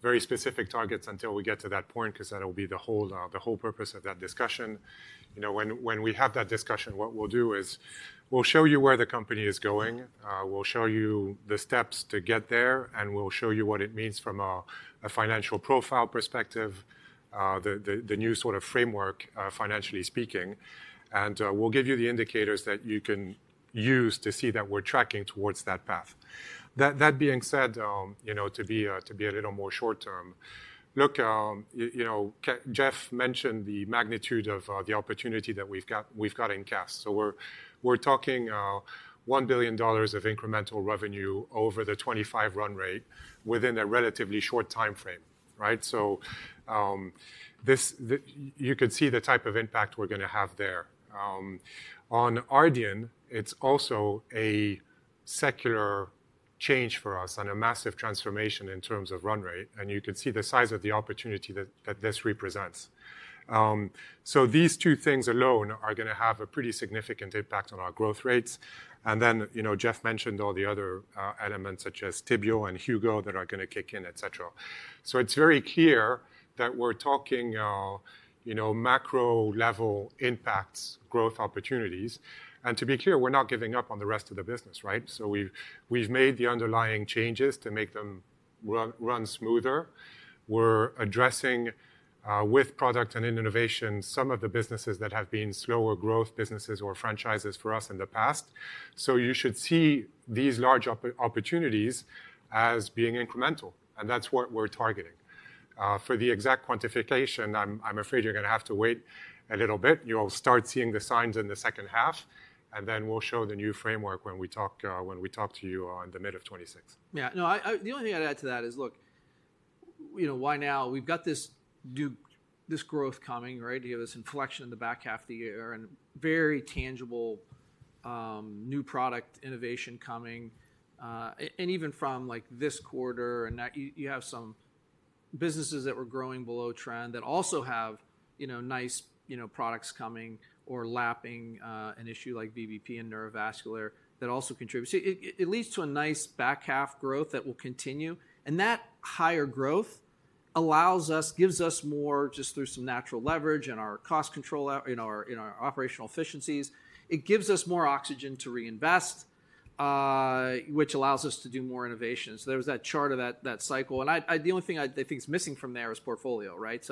very specific targets until we get to that point, because that'll be the whole purpose of that discussion. When we have that discussion, we'll show you where the company is going, we'll show you the steps to get there, and we'll show you what it means from a financial profile perspective, the new framework, financially speaking, and we'll give you the indicators that you can use to see that we're tracking towards that path. That being said, to be a little more short term, Geoff mentioned the magnitude of the opportunity that we've got in Cardiac Ablation Solutions. We're talking $1 billion of incremental revenue over the 2025 run rate within a relatively short time frame. You could see the type of impact we're going to have there. On Ardian, it's also a secular change for us and a massive transformation in terms of run rate, and you can see the size of the opportunity that this represents. These two things alone are going to have a pretty significant impact on our growth rates. Geoff mentioned all the other elements such as Tibial and Hugo that are going to kick in, et cetera. It's very clear that we're talking macro level impacts, growth opportunities. To be clear, we're not giving up on the rest of the business. We've made the underlying changes to make them run smoother. We're addressing with product and innovation some of the businesses that have been slower growth businesses or franchises for us in the past. You should see these large opportunities as being incremental, and that's what we're targeting. For the exact quantification, I'm afraid you're going to have to wait a little bit. You'll start seeing the signs in the second half, and then we'll show the new framework when we talk to you in the middle of 2026. Yeah, no, the only thing I'd add to that is look, why now we've got this growth coming, this inflection in the back half of the year and very tangible new product innovation coming, even from like this quarter, and that you have some businesses that were growing below trend that also have, you know, nice products coming or lapping an issue like BBP and Neurovascular that also contributes at least to a nice back half growth that will continue. That higher growth allows us, gives us more just through some natural leverage and our cost control in our operational efficiencies. It gives us more oxygen to reinvest, which allows us to do more innovation. There was that chart of that cycle, and the only thing I think is missing from there is portfolio. Right.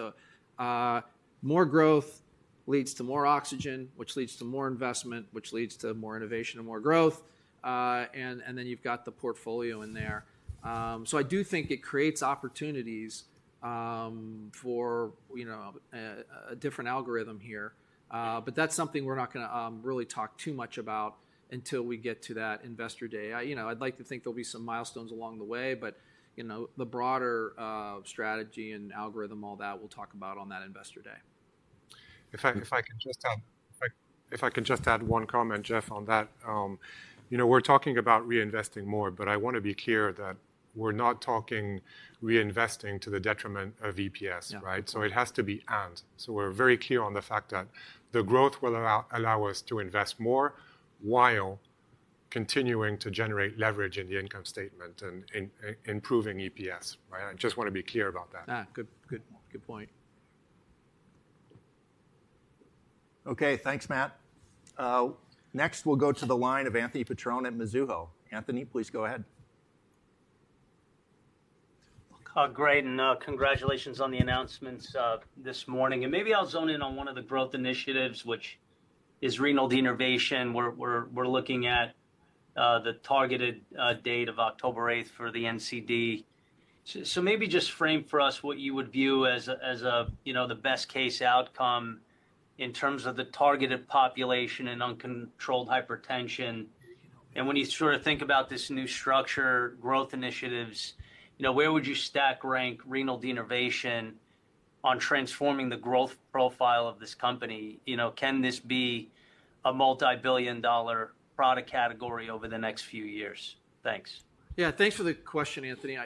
More growth leads to more oxygen, which leads to more investment, which leads to more innovation and more growth, and then you've got the portfolio in there. I do think it creates opportunities for a different algorithm here. That's something we're not going to really talk too much about until we get to that investor day. I'd like to think there'll be some milestones along the way, but the broader strategy and algorithm, all that we'll talk about on that investor day. If I can just add one comment, Geoff, on that, we're talking about reinvesting more, but I want to be clear that we're not talking reinvesting to the detriment of EPS. It has to be, and we're very clear on the fact that the growth will allow us to invest more while continuing to generate leverage in the income statement and improving EPS. I just want to be clear about that. Good, good point. Okay, thanks Matt. Next we'll go to the line of Anthony Petrone at Mizuho. Anthony, please go ahead. Great. Congratulations on the announcements this morning. Maybe I'll zone in on one of the growth initiatives, which is renal denervation. We're looking at the targeted date of October 8 for the NCD. Maybe just frame for us what you would view as the best case outcome in terms of the targeted population and uncontrolled hypertension. When you sort of think about this new structure growth initiatives, where would you stack rank renal denervation on transforming the growth profile of this company? Can this be a multibillion dollar product category over the next few years? Thanks. Yeah, thanks for the question, Anthony.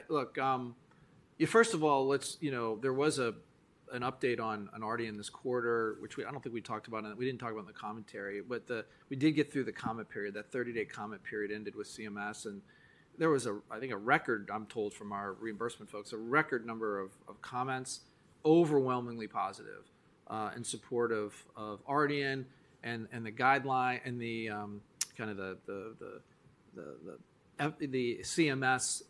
First of all, there was an update already in this quarter, which I don't think we talked about in the commentary, but we did get through the comment period. That 30-day comment period ended with CMS, and there was, I think, a record—I'm told from our reimbursement folks—a record number of comments, overwhelmingly positive in support of Arden and the guideline and the way CMS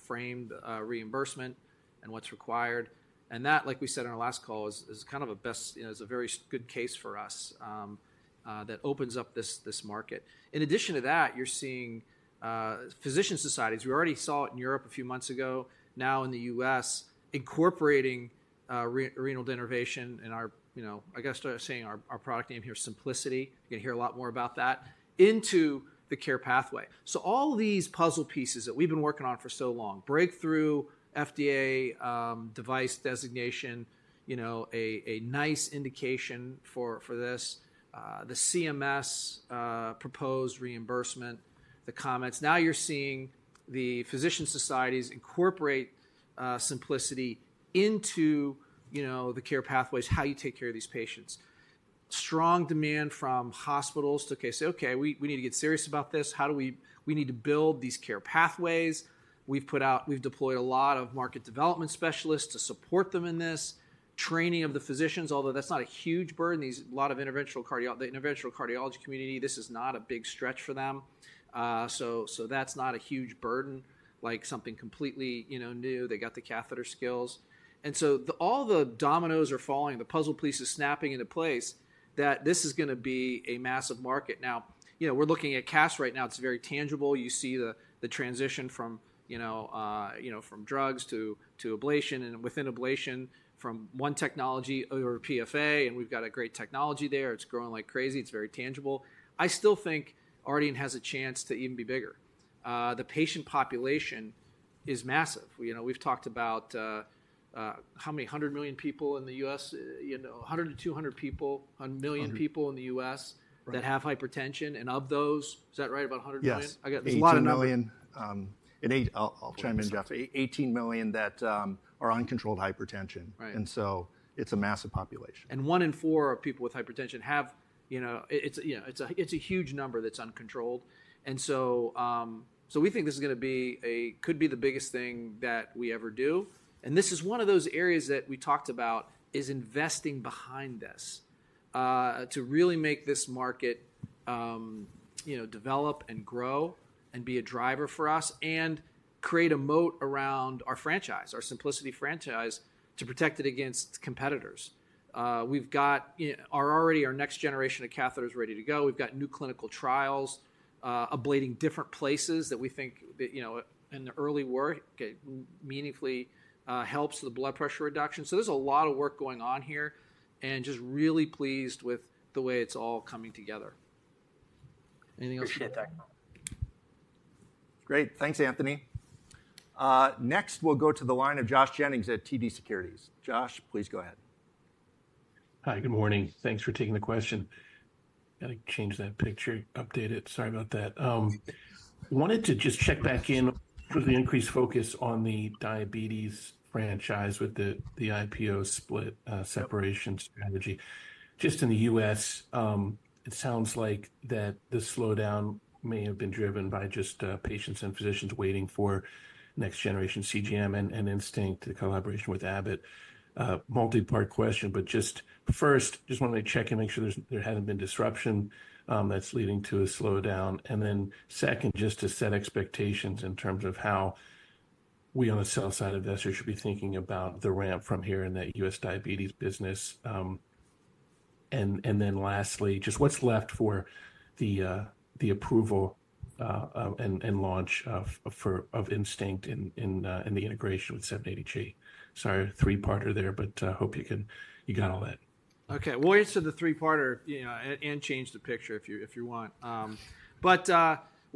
framed reimbursement and what's required. Like we said in our last call, that is a very good case for us that opens up this market. In addition to that, you're seeing physician societies—we already saw it in Europe a few months ago—now in the U.S. incorporating renal denervation and our, you know, I gotta start saying our product name here, Symplicity, you're going to hear a lot more about that, into the care pathway. All these puzzle pieces that we've been working on for so long: breakthrough FDA device designation, a nice indication for this, the CMS proposed reimbursement, the comments. Now you're seeing the physician societies incorporate Symplicity into the care pathways, how you take care of these patients. Strong demand from hospitals to say, okay, we need to get serious about this. How do we—we need to build these care pathways. We've put out—we've deployed a lot of market development specialists to support them in this training of the physicians, although that's not a huge burden. A lot of the interventional cardiology community, this is not a big stretch for them. That's not a huge burden, like something completely new. They got the catheter skills, and all the dominoes are falling, the puzzle pieces snapping into place, that this is going to be a massive market now. We're looking at cash right now. It's very tangible. You see the transition from drugs to ablation and within ablation from one technology over PFA. We've got a great technology there. It's growing like crazy. It's very tangible. I still think Arden has a chance to even be bigger. The patient population is massive. You know, we've talked about how many hundred million people in the U.S., you know, 100 million-200 million people in the U.S. that have hypertension. Of those, is that right? About 100 million? I've got a million at eight. I'll chime in, Geoff. 18 million that are uncontrolled hypertension. It's a massive population. One in four people with hypertension have, you know, it's a huge number that's uncontrolled. We think this is going to be a, could be the biggest thing that we ever do. This is one of those areas that we talked about, investing behind this to really make this market develop and grow and be a driver for us and create a moat around our franchise, our Symplicity franchise, to protect it against competitors. We've got already our next generation of catheters ready to go. We've got new clinical trials ablating different places that we think, in the early work, meaningfully helps the blood pressure reduction. There's a lot of work going on here and just really pleased with the way it's all coming together. Anything else? Great, thanks, Anthony. Next, we'll go to the line of Josh Jennings at TD Securities. Josh, please go ahead. Hi, good morning. Thanks for taking the question. Got to change that picture, update it. Sorry about that. Wanted to just check back in with the increased focus on the diabetes franchise with the IPO split separation strategy. Just in the U.S., it sounds like the slowdown may have been driven by patients and physicians waiting for next generation CGM and Instinct, the collaboration with Abbott. Multi part question. First, I just wanted to check and make sure there hadn't been disruption that's leading to a slowdown. Second, just to set expectations in terms of how we on the sell side investors should be thinking about the ramp from here in that U.S. Diabetes business. Lastly, what's left for the approval and launch of Instinct in the integration with 780G. Sorry, three parter there, but I hope you got all that. Okay, we'll answer the three parter and change the picture if you want. Why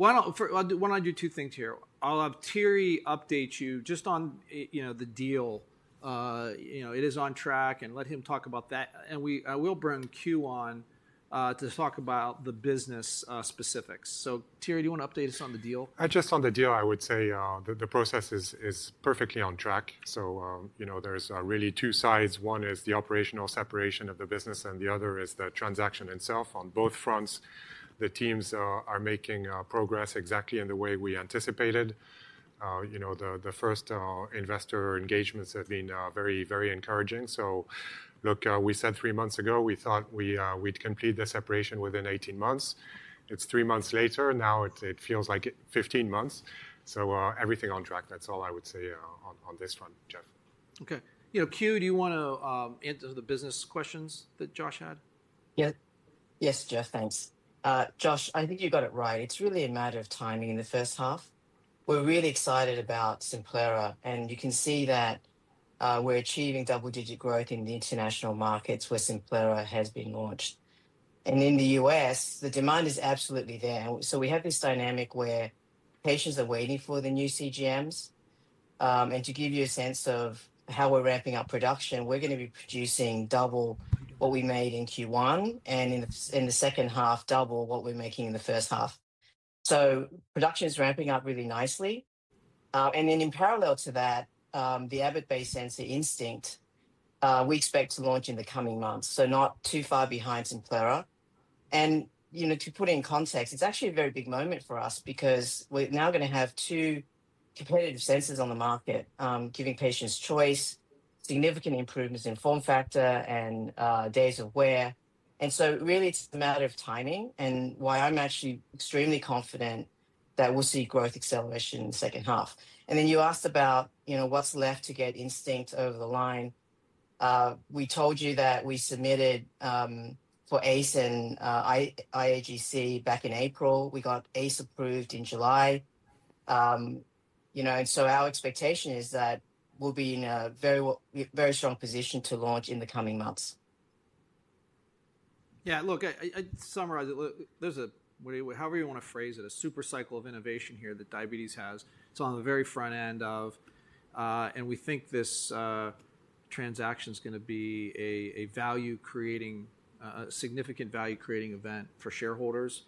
don't I do two things here? I'll have Thierry update you just on the deal. It is on track, and let him talk about that. I will bring Q on to talk about the business specifics. Thierry, do you want to update us on the deal? Just on the deal, I would say the process is perfectly on track. There are really two sides. One is the operational separation of the business and the other is the transaction itself. On both fronts, the teams are making progress exactly in the way we anticipated. The first investor engagements have been very, very encouraging. We said three months ago we thought we'd complete the separation within 18 months. It's three months later now. It feels like 15 months. Everything on track. That's all I would say on this front, Geoff. Okay. Que, do you want to answer the business questions that Josh had? Yeah. Yes, Geoff. Thanks, Josh. I think you got it right. It's really a matter of timing. In the first half, we're really excited about Simplera. You can see that we're achieving double-digit growth in the international markets where Simplera has been launched. In the U.S., the demand is absolutely there. We have this dynamic where patients are waiting for the new CGMs. To give you a sense of how we're ramping up production, we're going to be producing double what we made in Q1, and in the second half, double what we're making in the first half. Production is ramping up really nicely. In parallel to that, the Abbott Instinct CGM, we expect to launch in the coming months, not too far behind Simplera. To put it in context, it's actually a very big moment for us because we're now going to have two competitive sensors on the market, giving patients choice, significant improvements in form factor and days of wear. It's really a matter of timing and why I'm actually extremely confident that we'll see growth acceleration in the second half. You asked about what's left to get Instinct over the line. We told you that we submitted for ACE and IAGC back in April. We got ACE approved in July. You know, our expectation is that we'll be in a very, very strong position to launch in the coming months. Yeah, look, I summarize it. There's a way, however you want to phrase it, a super cycle of innovation here that Diabetes has. It's on the very front end of and we think this transaction is going to be a value creating, significant value creating event for shareholders.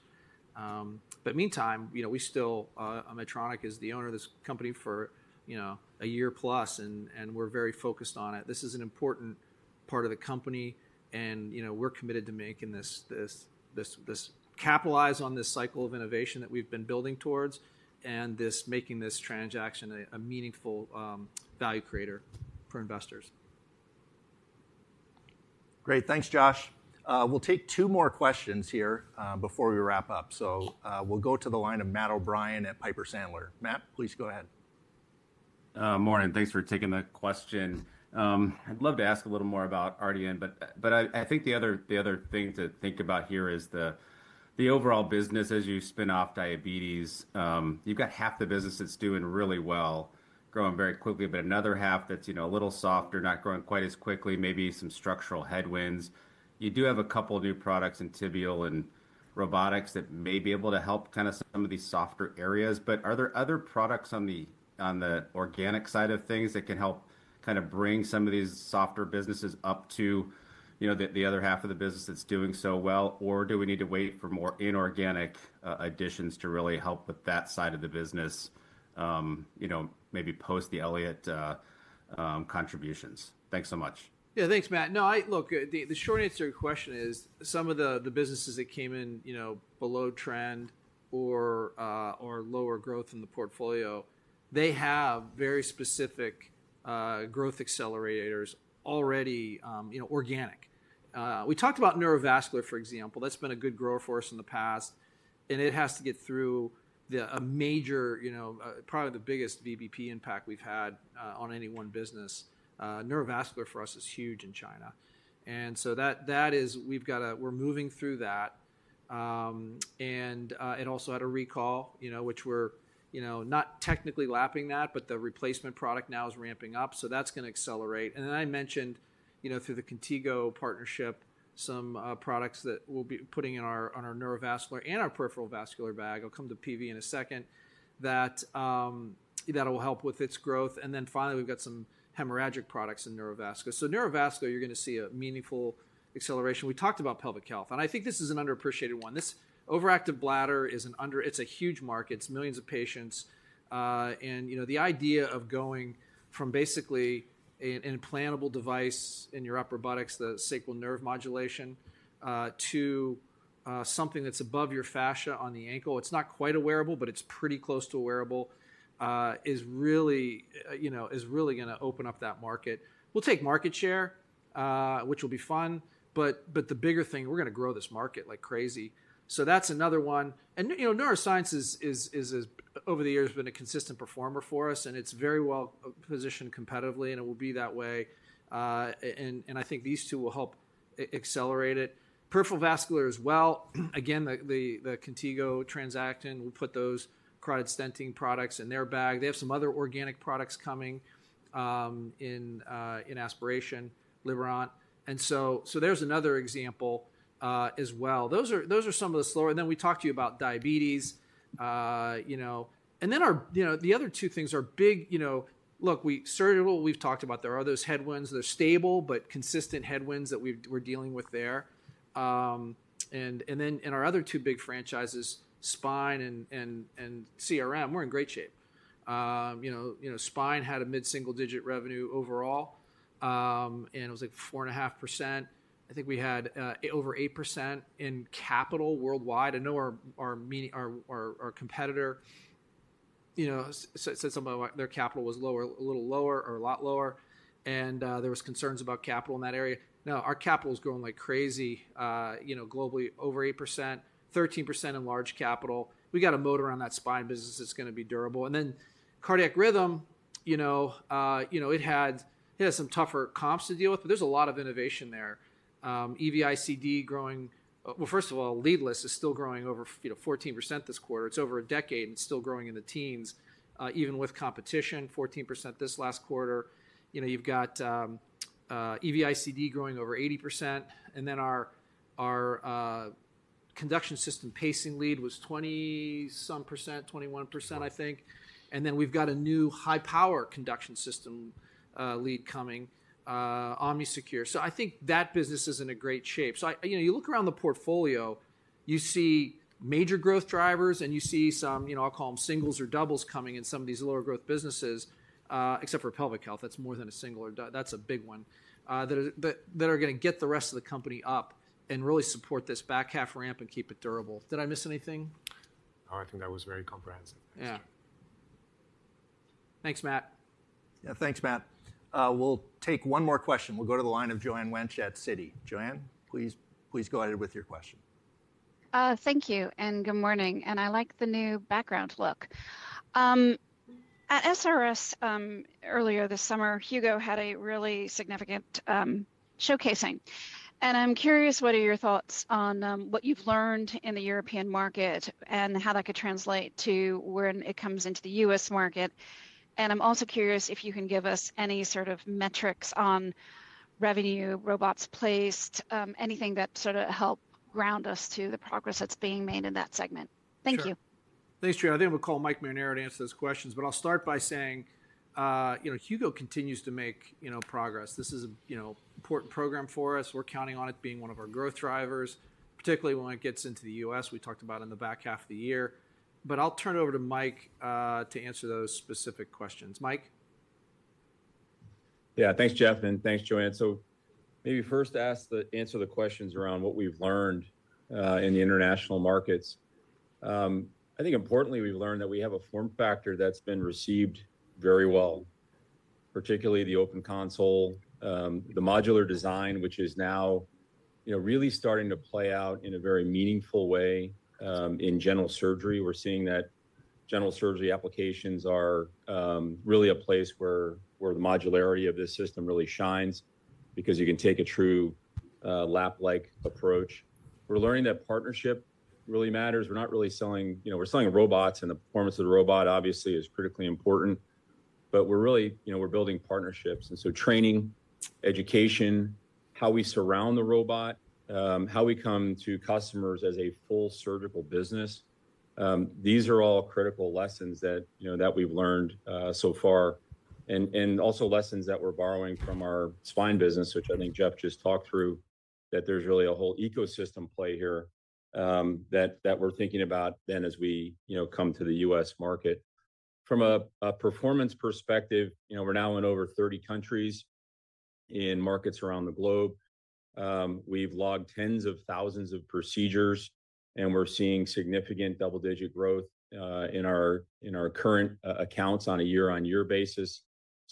In the meantime, you know, we still, Medtronic is the owner of this company for, you know, a year plus and we're very focused on it. This is an important part of the company and you know, we're committed to making this, capitalize on this cycle of innovation that we've been building towards and this, making this transaction a meaningful value creator for investors. Great. Thanks, Josh. We'll take two more questions here before we wrap up. We'll go to the line of Matt O'Brien at Piper Sandler. Matt, please go ahead. Maureen, thanks for taking the question. I'd love to ask a little more about renal denervation, but I think the other thing to think about here is the overall business as you spin off Diabetes. You've got half the business that's doing really well, growing very quickly, but another half that's a little softer, not growing quite as quickly, maybe some structural headwinds. You do have a couple of new products in tibial and robotics that may be able to help some of these softer areas. Are there other products on the organic side of things that can help bring some of these softer businesses up to the other half of the business that's doing so well, or do we need to wait for more inorganic additions to really help with that side of the business? Maybe post the Elliott contributions? Thanks so much. Yeah, thanks, Matt. No, the short answer to your question is some of the businesses that came in below trend or lower growth in the portfolio have very specific growth accelerators already, organic. We talked about Neurovascular, for example. That's been a good grower for us in the past and it has to get through probably the biggest VBP impact we've had on any one business. Neurovascular for us is huge in China, and so we are moving through that. It also had a recall, which we're not technically lapping, but the replacement product now is ramping up, so that's going to accelerate. I mentioned through the Contigo partnership some products that we'll be putting in our Neurovascular and our peripheral vascular bag. I'll come to PV in a second; that'll help with its growth. Finally, we've got some hemorrhagic products in Neurovascular, so Neurovascular, you're going to see a meaningful acceleration. We talked about pelvic health, and I think this is an underappreciated one. This overactive bladder is a huge market, it's millions of patients, and the idea of going from basically an implantable device in your upper buttocks, the sacral nerve modulation, to something that's above your fascia on the ankle. It's not quite a wearable, but it's pretty close to a wearable. It is really going to open up that market. We'll take market share, which will be fun, but the bigger thing is we're going to grow this market like crazy. That's another one. Neuroscience has, over the years, been a consistent performer for us and it's very well positioned competitively and it will be that way. I think these two will help accelerate it. Peripheral vascular as well. Again, the Contigo transaction will put those carotid stenting products in their bag. They have some other organic products coming in, aspiration, liver on, and so there's another example as well. Those are some of the slower. We talked to you about diabetes. The other two things are big. Surgical, we've talked about, there are those headwinds. They're stable but consistent headwinds that we're dealing with there. In our other two big franchises, Spine and CRM, we're in great shape. Spine had a mid single-digit revenue overall and it was like 4.5%. I think we had over 8% in capital worldwide. I know our competitor said some of their capital was lower or a lot lower and there was concerns about capital in that area. Now our capital's growing like crazy, you know, globally over 8%, 13% in large capital. We got a motor on that spine business that's going to be durable and then cardiac rhythm, you know, it had some tougher comps to deal with. There's a lot of innovation there. Aurora EV-ICD growing well, first of all, leadless is still growing over 14% this quarter. It's over a decade and still growing in the teens even with competition. 14% this last quarter. You've got Aurora EV-ICD growing over 80%. Our conduction system pacing lead was 20 some percent, 21%, I think. We've got a new high power conduction system lead coming, Omnisecure. I think that business is in great shape. You look around the portfolio, you see major growth drivers and you see some, you know, I'll call them singles or doubles coming in. Some of these lower growth businesses, except for pelvic health, that's more than a single or that's a big one that are going to get the rest of the company up and really support this back half ramp and keep it durable. Did I miss anything? Oh, I think that was very comprehensive. Yeah, thanks, Matt. Yeah, thanks, Matt. We'll take one more question. We'll go to the line of Joanne Wenck at Citi. Joanne, please go ahead with your question. Thank you and good morning. I like the new background look at SRS. Earlier this summer, Hugo had a really significant showcasing. I'm curious, what are your thoughts on what you've learned in the European market and how that could translate to when it comes into the U.S. market? I'm also curious if you can give us any sort of metrics on revenue, robots placed, anything that helps ground us to the progress that's being made in that segment. Thank you. Thanks, Trina. I'll call Mike Marinaro to answer those questions. I'll start by saying, you know, Hugo continues to make, you know, progress. This is a, you know, core program for us. We're counting on it being one of our growth drivers, particularly when it gets into the U.S. we talked about in the back half of the year. I'll turn it over to Mike to answer those specific questions. Mike? Yeah, thanks, Geoff. Thanks, Joanne. Maybe first to answer the questions around what we've learned in the international markets. Importantly, we've learned that we have a form factor that's been received very well, particularly the open console, the modular design, which is now really starting to play out in a very meaningful way in general surgery. We're seeing that general surgery applications are really a place where the modularity of this system really shines because you can take a true lap-like approach. We're learning that partnership really matters. We're not really selling, you know, we're selling robots. The performance of the robot obviously is critically important, but we're really building partnerships and so training, education, how we surround the robot, how we come to customers as a full surgical business. These are all critical lessons that we've learned so far and also lessons that we're borrowing from our spine business, which I think Geoff just talked through, that there's really a whole ecosystem play here that we're thinking about as we come to the U.S. market from a performance perspective. We're now in over 30 countries, in markets around the globe. We've logged tens of thousands of procedures, Tom, and we're seeing significant double-digit growth in our current accounts on a year-on-year basis.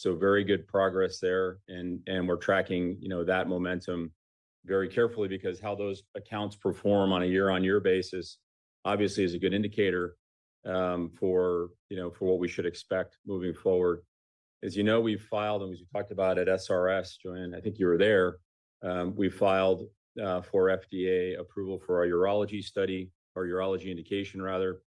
Very good progress there, and we're tracking that momentum very carefully because how those accounts perform on a year-on-year basis obviously is a good indicator for what we should expect moving forward. As you know, we filed them as you talked about at SRS. Joanne, I think you were there. We filed for FDA approval for our urology study, our urology indication rather,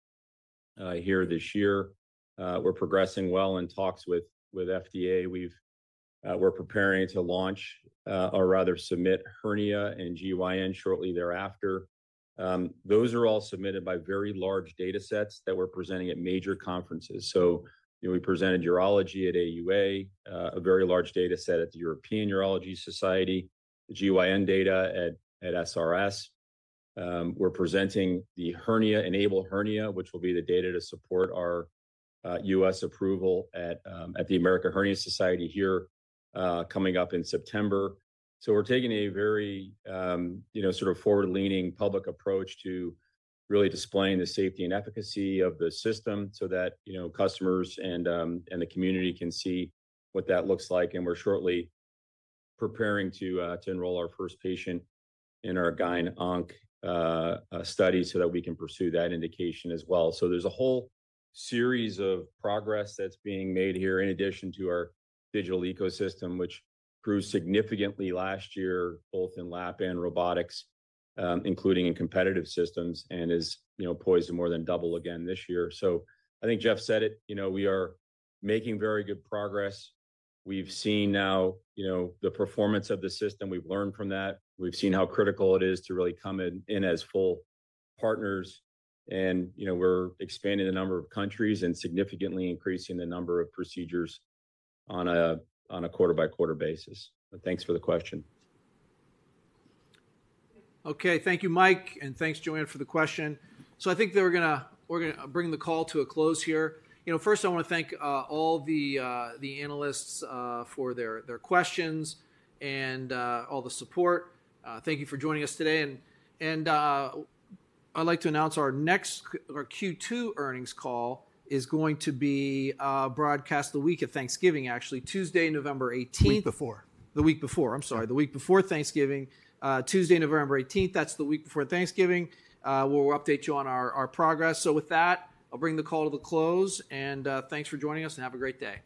here this year. We're progressing well in talks with FDA. We're preparing to launch or rather submit hernia and GYN shortly thereafter. Those are all submitted by very large data sets that we're presenting at major conferences. We presented urology at AUA, a very large data set at the European Urology Society, GYN data at SRS, we're presenting the Hernia Enable hernia, which will be the data to support our U.S. approval at the American Hernia Society here coming up in September. We're taking a very sort of forward-leaning public approach to really displaying the safety and efficacy of the system so that customers and the community can see what that looks like. We are shortly preparing to enroll our first patient in our GYN ONC study so that we can pursue that indication as well. There is a whole series of progress that's being made here, in addition to our digital ecosystem, which grew significantly last year both in LAP and robotics, including in competitive systems, and is poised to more than double again this year. I think Geoff said it, you know, we are making very good progress. We've seen now, you know, the performance of the system. We've learned from that. We've seen how critical it is to really come in as full partners. You know, we're expanding the number of countries and significantly increasing the number of procedures on a quarter by quarter basis. Thanks for the question. Okay. Thank you, Mike. Thank you, Joanne, for the question. I think we're going to bring the call to a close here. First, I want to thank all the analysts for their questions and all the support. Thank you for joining us today. I'd like to announce our next Q2 earnings call is going to be broadcast the week before Thanksgiving, actually Tuesday, November 18th. That's the week before Thanksgiving. We'll update you on our progress. With that, I'll bring the call to a close. Thanks for joining us and have a great day.